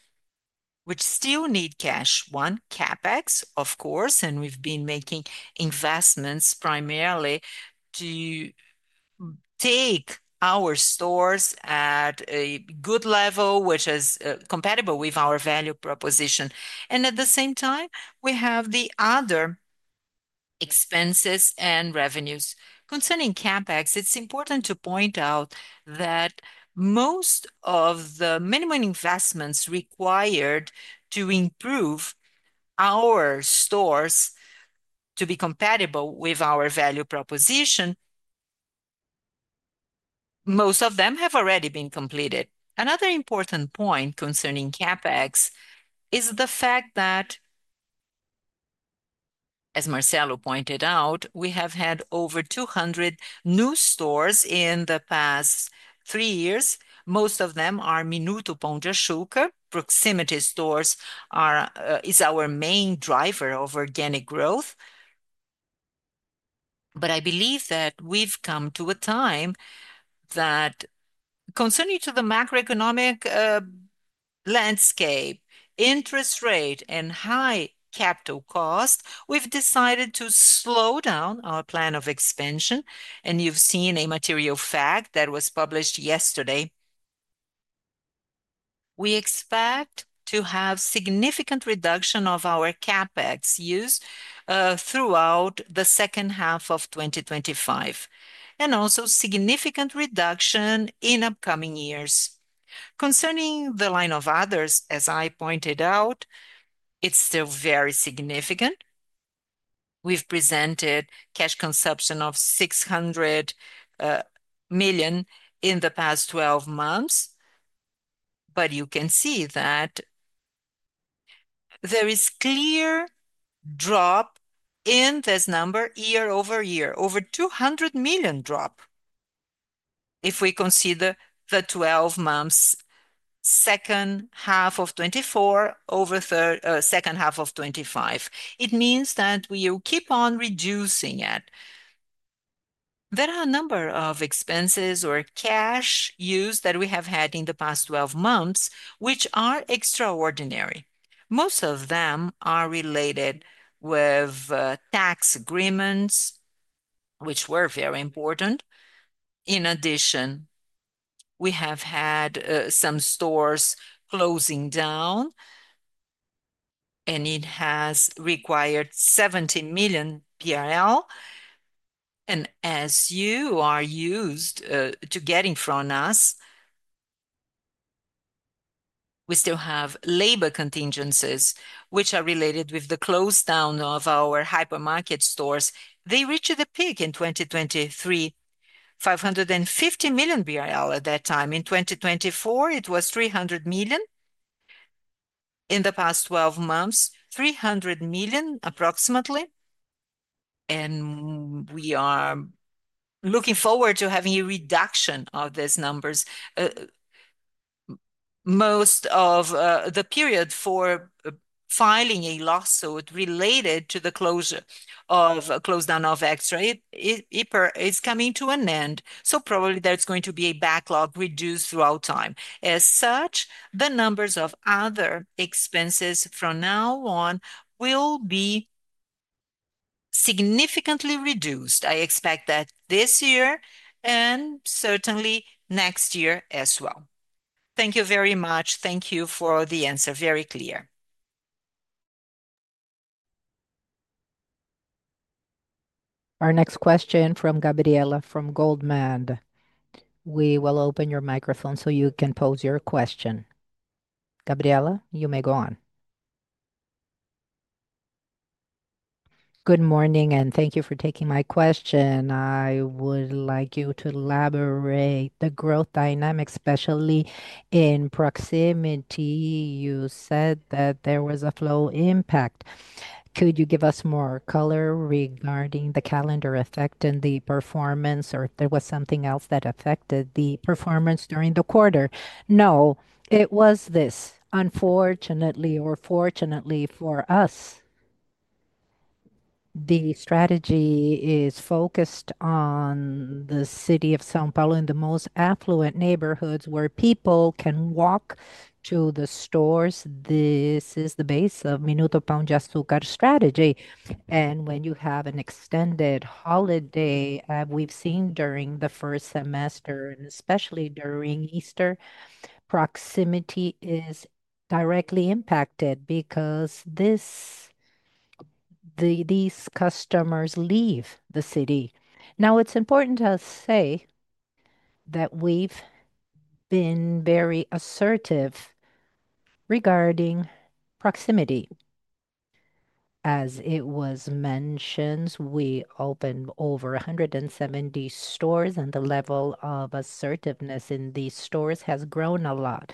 which still need cash. One, CapEx, of course, and we've been making investments primarily to take our stores at a good level, which is compatible with our value proposition. At the same time, we have the other expenses and revenues. Concerning CapEx, it's important to point out that most of the minimum investments required to improve our stores to be compatible with our value proposition, most of them have already been completed. Another important point concerning CapEx is the fact that, as Marcelo Pimentel pointed out, we have had over 200 new stores in the past three years. Most of them are Minuto Pão de Açúcar. Proximity stores are our main driver of organic growth. I believe that we've come to a time that, concerning the macroeconomic landscape, interest rate, and high capital cost, we've decided to slow down our plan of expansion. You have seen a material fact that was published yesterday. We expect to have a significant reduction of our CapEx use throughout the second half of 2025, and also a significant reduction in upcoming years. Concerning the line of others, as I pointed out, it's still very significant. We've presented cash consumption of 600 million in the past 12 months, but you can see that there is a clear drop in this number year over year, over 200 million drop if we consider the 12 months, second half of 2024, over the second half of 2025. It means that we will keep on reducing it. There are a number of expenses or cash use that we have had in the past 12 months, which are extraordinary. Most of them are related with tax agreements, which were very important. In addition, we have had some stores closing down, and it has required 70 million. As you are used to getting from us, we still have labor contingencies, which are related with the close down of our hypermarket stores. They reached a peak in 2023, 550 million. At that time, in 2024, it was 300 million. In the past 12 months, 300 million approximately. We are looking forward to having a reduction of these numbers. Most of the period for filing a lawsuit related to the closure of a close down of hypermarket, it's coming to an end. Probably there's going to be a backlog reduced throughout time. As such, the numbers of other expenses from now on will be significantly reduced. I expect that this year and certainly next year as well. Thank you very much. Thank you for the answer. Very clear. Our next question from Gabriela from Goldman Sachs. We will open your microphone so you can pose your question. Gabriela, you may go on. Good morning, and thank you for taking my question. I would like you to elaborate the growth dynamics, especially in proximity. You said that there was a flow impact. Could you give us more color regarding the calendar effect and the performance, or there was something else that affected the performance during the quarter? No, it was this. Unfortunately, or fortunately for us, the strategy is focused on the city of São Paulo in the most affluent neighborhoods where people can walk to the stores. This is the base of Minuto Pão de Açúcar's strategy. When you have an extended holiday, as we've seen during the first semester, and especially during Easter, proximity is directly impacted because these customers leave the city. It's important to say that we've been very assertive regarding proximity. As it was mentioned, we opened over 170 stores, and the level of assertiveness in these stores has grown a lot.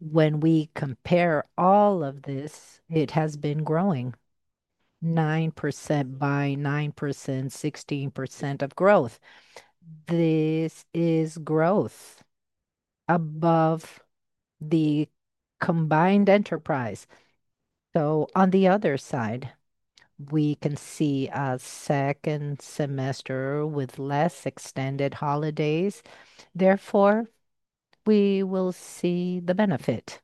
When we compare all of this, it has been growing 9% by 9%, 16% of growth. This is growth above the combined enterprise. On the other side, we can see a second semester with less extended holidays. Therefore, we will see the benefit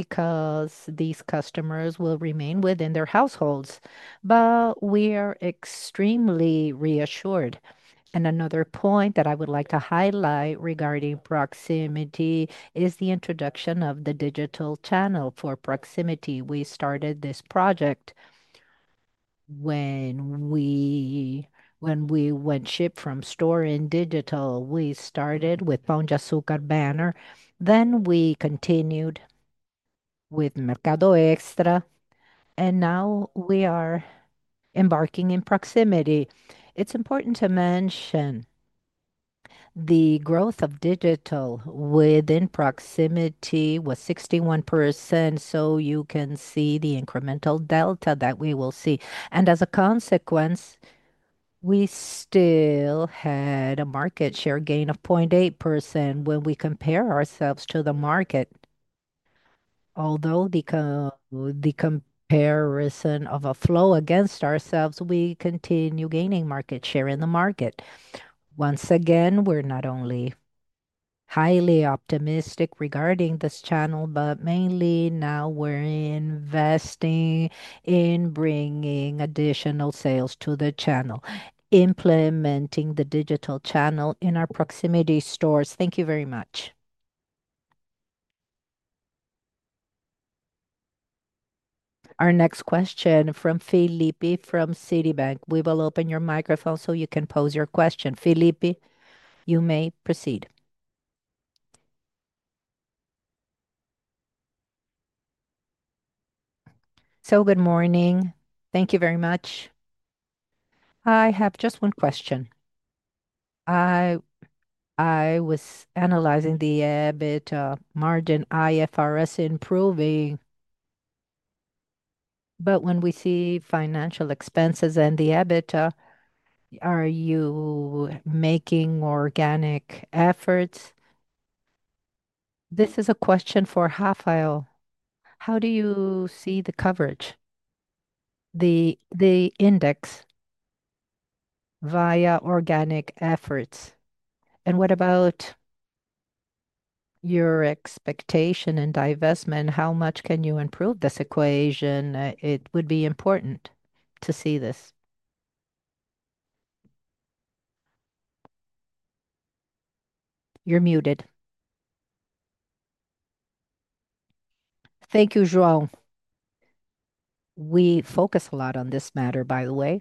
because these customers will remain within their households. We are extremely reassured. Another point that I would like to highlight regarding proximity is the introduction of the digital channel for proximity. We started this project when we went ship from store in digital. We started with Pão de Açúcar banner. We continued with Mercado Extra, and now we are embarking in proximity. It's important to mention the growth of digital within proximity was 61%. You can see the incremental delta that we will see. As a consequence, we still had a market share gain of 0.8% when we compare ourselves to the market. Although the comparison of a flow against ourselves, we continue gaining market share in the market. Once again, we're not only highly optimistic regarding this channel, but mainly now we're investing in bringing additional sales to the channel, implementing the digital channel in our proximity stores. Thank you very much. Our next question from Felipe from Citi. We will open your microphone so you can pose your question. Felipe, you may proceed. Good morning. Thank you very much. I have just one question. I was analyzing the EBITDA margin IFRS improving, but when we see financial expenses and the EBITDA, are you making organic efforts? This is a question for Rafael. How do you see the coverage, the index via organic efforts? What about your expectation and divestment? How much can you improve this equation? It would be important to see this. You're muted. Thank you, João. We focus a lot on this matter, by the way.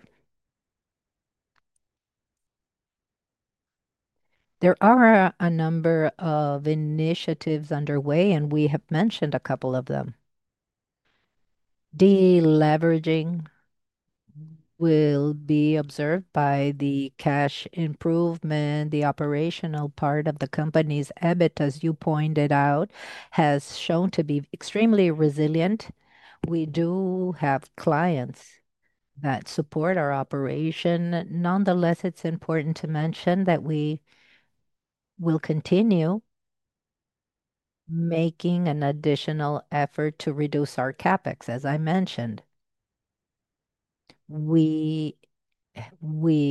There are a number of initiatives underway, and we have mentioned a couple of them. Deleveraging will be observed by the cash improvement. The operational part of the company's EBITDA, as you pointed out, has shown to be extremely resilient. We do have clients that support our operation. Nonetheless, it's important to mention that we will continue making an additional effort to reduce our CapEx, as I mentioned. We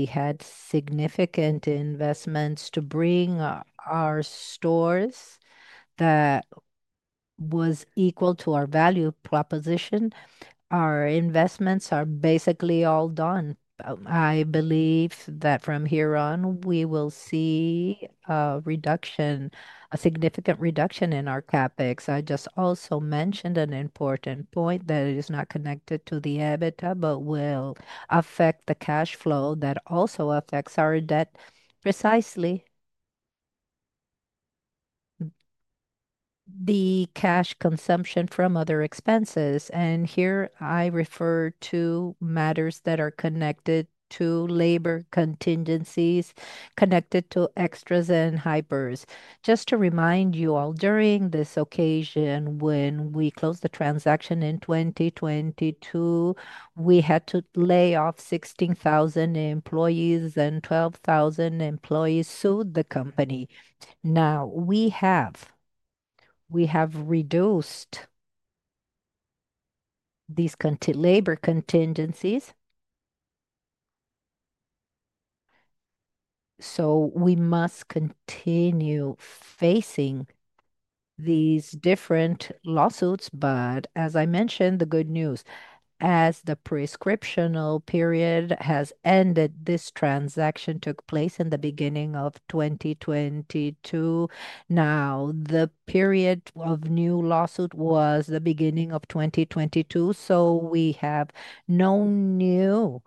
had significant investments to bring our stores that were equal to our value proposition. Our investments are basically all done. I believe that from here on, we will see a reduction, a significant reduction in our CapEx. I just also mentioned an important point that is not connected to the EBITDA, but will affect the cash flow that also affects our debt, precisely the cash consumption from other expenses. Here I refer to matters that are connected to labor contingencies, connected to extras and hypers. Just to remind you all, during this occasion, when we closed the transaction in 2022, we had to lay off 16,000 employees, and 12,000 employees sued the company. Now, we have reduced these labor contingencies. We must continue facing these different lawsuits. As I mentioned, the good news, as the prescription period has ended, this transaction took place in the beginning of 2022. Now, the period of new lawsuit was the beginning of 2022. We have no new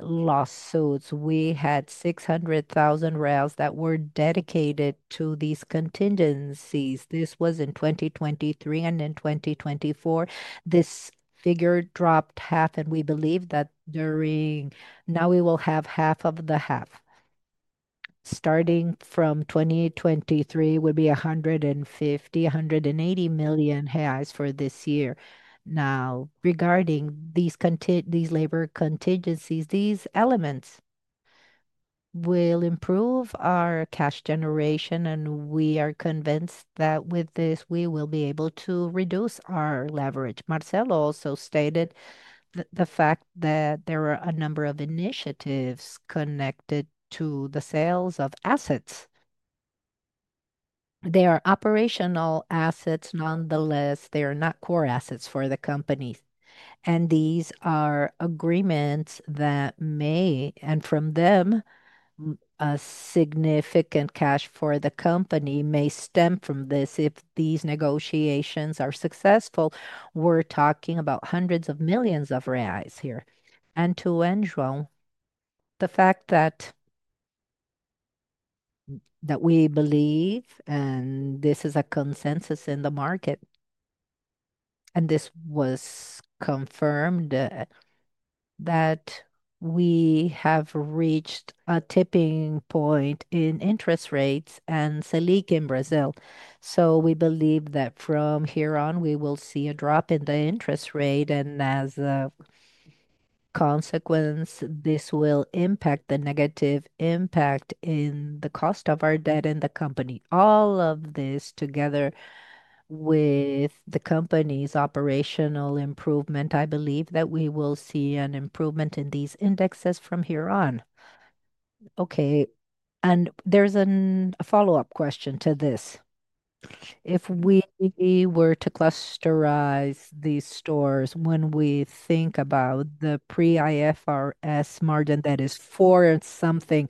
lawsuits. We had 600 million that were dedicated to these contingencies. This was in 2023, and in 2024, this figure dropped half, and we believe that during now we will have half of the half. Starting from 2023, it would be 150 million to 180 million reais for this year. Now, regarding these labor contingencies, these elements will improve our cash generation, and we are convinced that with this, we will be able to reduce our leverage. Marcelo also stated that the fact that there are a number of initiatives connected to the sales of assets. They are operational assets. Nonetheless, they are not core assets for the company. These are agreements that may, and from them, a significant cash for the company may stem from this. If these negotiations are successful, we're talking about hundreds of millions of BRL here. To end, João, the fact that we believe, and this is a consensus in the market, and this was confirmed, that we have reached a tipping point in interest rates and SELIC in Brazil. We believe that from here on, we will see a drop in the interest rate, and as a consequence, this will impact the negative impact in the cost of our debt in the company. All of this together with the company's operational improvement, I believe that we will see an improvement in these indexes from here on. Okay. There's a follow-up question to this. If we were to clusterize these stores, when we think about the pre-IFRS margin that is 4 and something,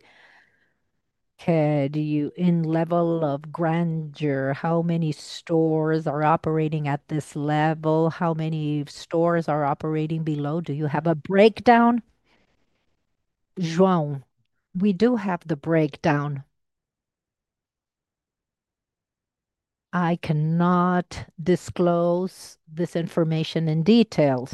do you, in level of grandeur, how many stores are operating at this level? How many stores are operating below? Do you have a breakdown? João, we do have the breakdown. I cannot disclose this information in detail.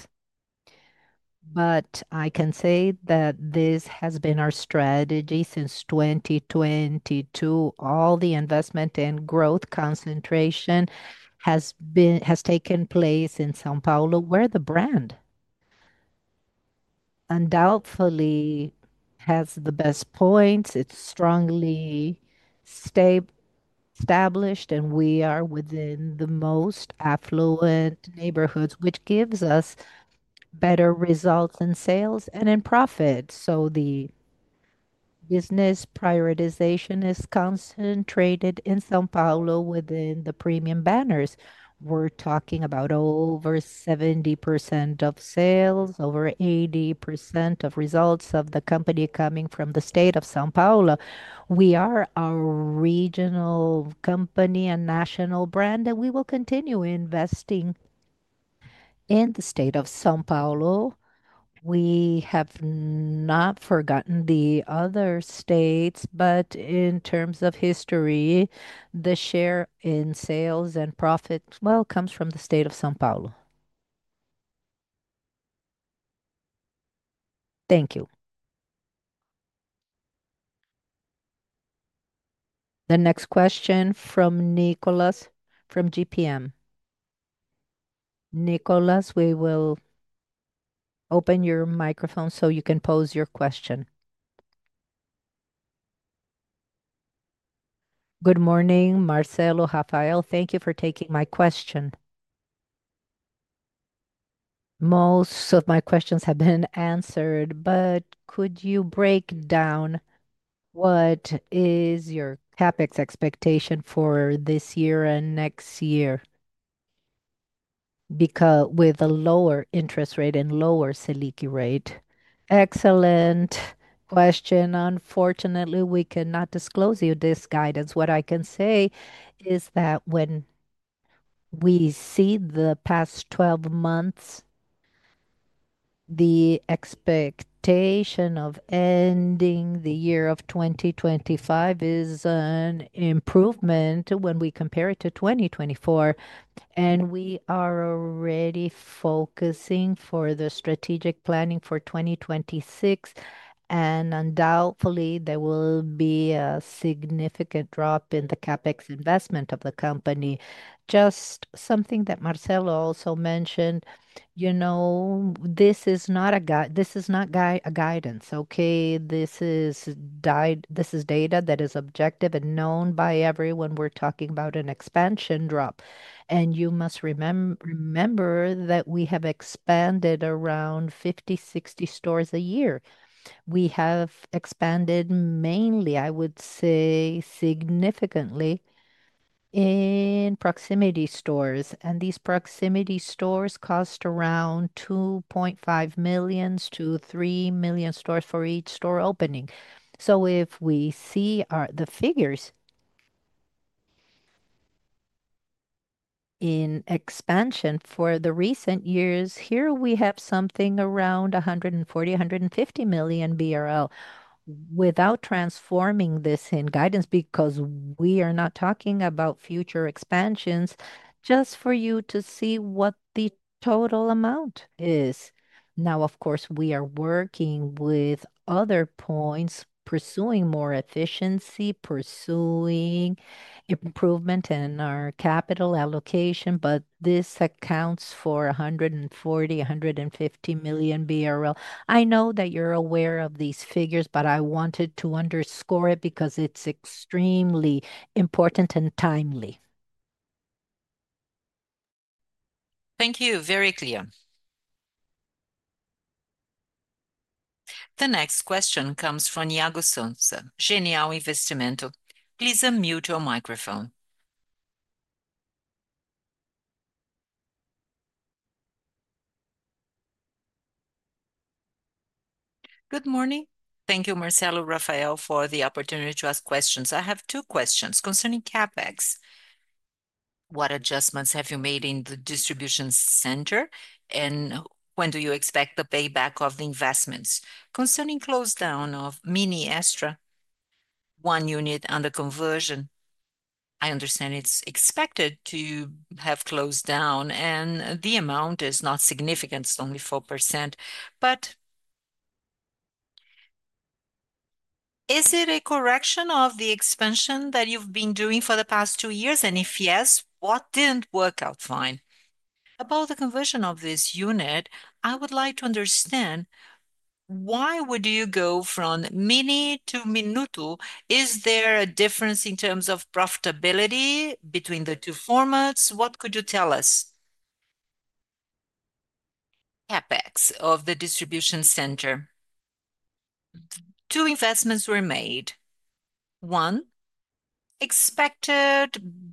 Sales. I can say that this has been our strategy since 2022. All the investment and growth concentration has taken place in São Paulo, where the brand undoubtedly has the best points. It's strongly established, and we are within the most affluent neighborhoods, which gives us better results in sales and in profit. The business prioritization is concentrated in São Paulo within the premium banners. We're talking about over 70% of sales, over 80% of results of the company coming from the state of São Paulo. We are a regional company and national brand, and we will continue investing in the state of São Paulo. We have not forgotten the other states, but in terms of history, the share in sales and profit comes from the state of São Paulo. Thank you. The next question from Nicolas, from Genial Investimentos. Nicolas, we will open your microphone so you can pose your question. Good morning, Marcelo, Rafael. Thank you for taking my question. Most of my questions have been answered, but could you break down what is your CapEx expectation for this year and next year with a lower interest rate and lower SELIC rate? Excellent question. Unfortunately, we cannot disclose you this guidance. What I can say is that when we see the past 12 months, the expectation of ending the year of 2025 is an improvement when we compare it to 2024. We are already focusing for the strategic planning for 2026, and undoubtedly, there will be a significant drop in the CapEx investment of the company. Just something that Marcelo also mentioned, this is not a guidance, okay? This is data that is objective and known by everyone. We're talking about an expansion drop. You must remember that we have expanded around 50, 60 stores a year. We have expanded mainly, I would say, significantly in proximity stores, and these proximity stores cost around 2.5 million to 3 million for each store opening. If we see the figures in expansion for the recent years, here we have something around 140 million, 150 million BRL without transforming this in guidance because we are not talking about future expansions, just for you to see what the total amount is. Of course, we are working with other points, pursuing more efficiency, pursuing improvement in our capital allocation, but this accounts for 140 million, 150 million BRL. I know that you're aware of these figures, but I wanted to underscore it because it's extremely important and timely. Thank you. Very clear. The next question comes from Iago Souza, Genial Investimentos. Please unmute your microphone. Good morning. Thank you, Marcelo, Rafael, for the opportunity to ask questions. I have two questions concerning CapEx. What adjustments have you made in the distribution center, and when do you expect the payback of the investments? Concerning close down of Mini Extra, one unit under conversion, I understand it's expected to have closed down, and the amount is not significant. It's only 4%. Is it a correction of the expansion that you've been doing for the past two years, and if yes, what didn't work out fine? About the conversion of this unit, I would like to understand why would you go from Mini Extra to Minuto Pão de Açúcar? Is there a difference in terms of profitability between the two formats? What could you tell us? CapEx of the distribution center. Two investments were made. One, expected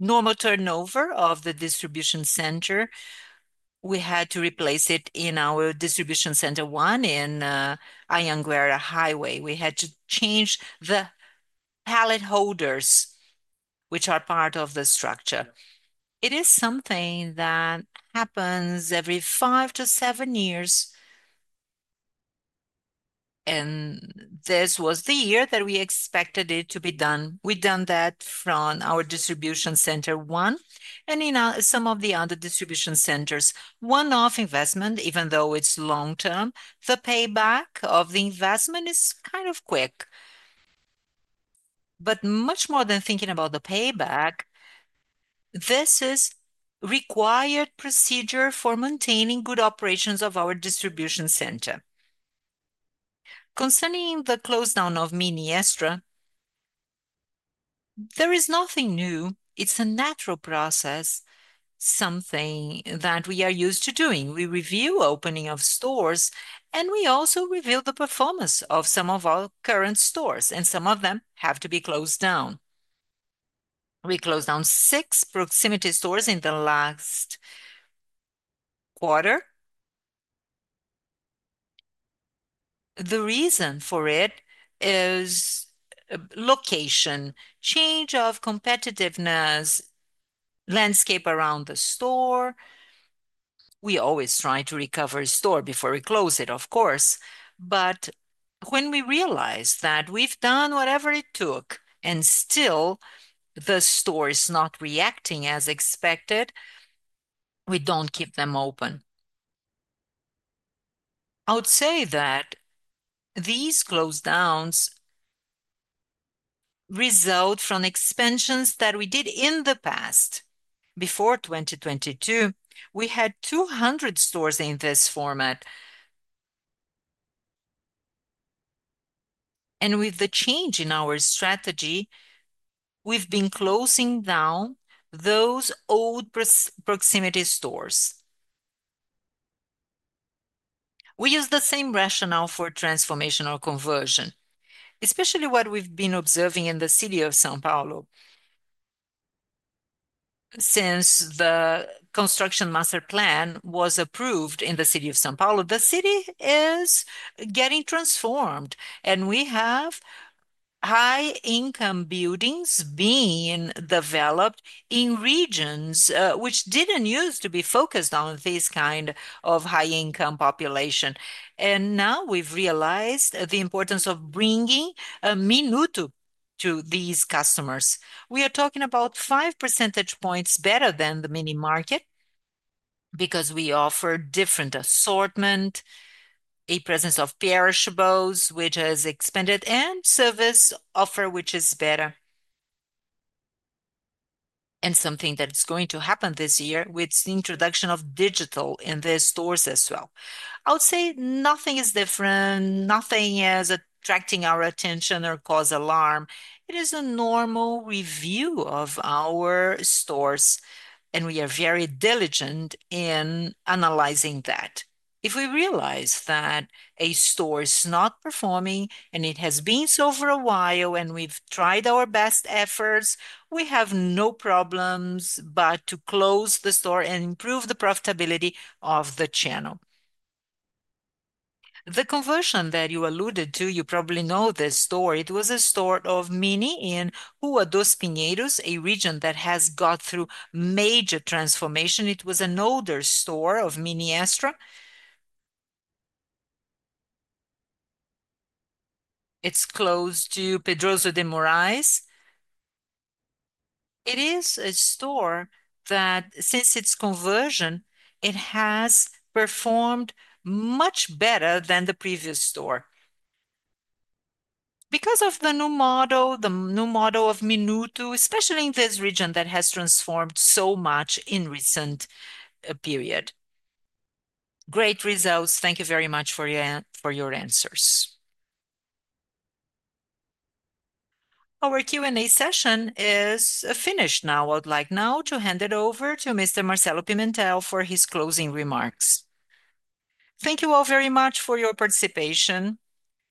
normal turnover of the distribution center. We had to replace it in our distribution center one in Anhanguera Highway. We had to change the pallet holders, which are part of the structure. It is something that happens every five to seven years, and this was the year that we expected it to be done. We've done that from our distribution center one and in some of the other distribution centers. One-off investment, even though it's long-term, the payback of the investment is kind of quick. Much more than thinking about the payback, this is a required procedure for maintaining good operations of our distribution center. Concerning the close down of Mini Extra, there is nothing new. It's a natural process, something that we are used to doing. We review opening of stores, and we also review the performance of some of our current stores, and some of them have to be closed down. We closed down six proximity stores in the last quarter. The reason for it is location, change of competitiveness, landscape around the store. We always try to recover a store before we close it, of course. When we realize that we've done whatever it took and still the store is not reacting as expected, we don't keep them open. I would say that these close downs result from expansions that we did in the past. Before 2022, we had 200 stores in this format. With the change in our strategy, we've been closing down those old proximity stores. We use the same rationale for transformation or conversion, especially what we've been observing in the city of São Paulo. Since the construction master plan was approved in the city of São Paulo, the city is getting transformed. We have high-income buildings being developed in regions which didn't use to be focused on this kind of high-income population. Now we've realized the importance of bringing a Minuto Pão de Açúcar to these customers. We are talking about 5% better than the mini market because we offer different assortment, a presence of perishables, which has expanded, and service offer, which is better. Something that's going to happen this year is the introduction of digital in these stores as well. I would say nothing is different. Nothing is attracting our attention or causing alarm. It is a normal review of our stores, and we are very diligent in analyzing that. If we realize that a store is not performing, and it has been so for a while, and we've tried our best efforts, we have no problems but to close the store and improve the profitability of the channel. The conversion that you alluded to, you probably know this store. It was a store of Mini Extra in Rua dos Pinheiros, a region that has gone through major transformation. It was an older store of Mini Extra. It's close to Pedrosa de Morais. It is a store that, since its conversion, has performed much better than the previous store because of the new model, the new model of Minuto Pão de Açúcar, especially in this region that has transformed so much in the recent period. Great results. Thank you very much for your answers. Our Q&A session is finished now. I'd like now to hand it over to Mr. Marcelo Pimentel for his closing remarks. Thank you all very much for your participation.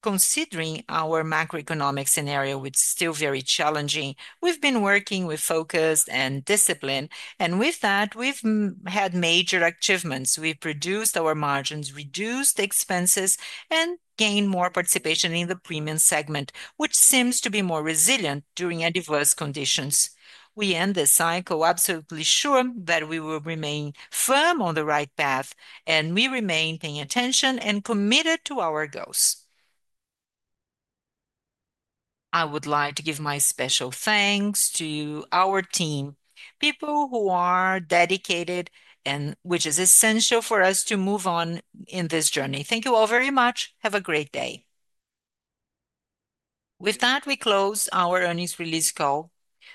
Considering our macroeconomic scenario, it's still very challenging. We've been working with focus and discipline, and with that, we've had major achievements. We produced our margins, reduced expenses, and gained more participation in the premium segment, which seems to be more resilient during diverse conditions. We end this cycle absolutely sure that we will remain firm on the right path, and we remain paying attention and committed to our goals. I would like to give my special thanks to our team, people who are dedicated, and which is essential for us to move on in this journey. Thank you all very much. Have a great day. With that, we close our earnings release call.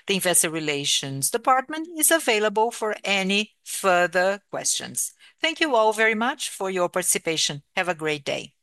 The Investor Relations Department is available for any further questions. Thank you all very much for your participation. Have a great day.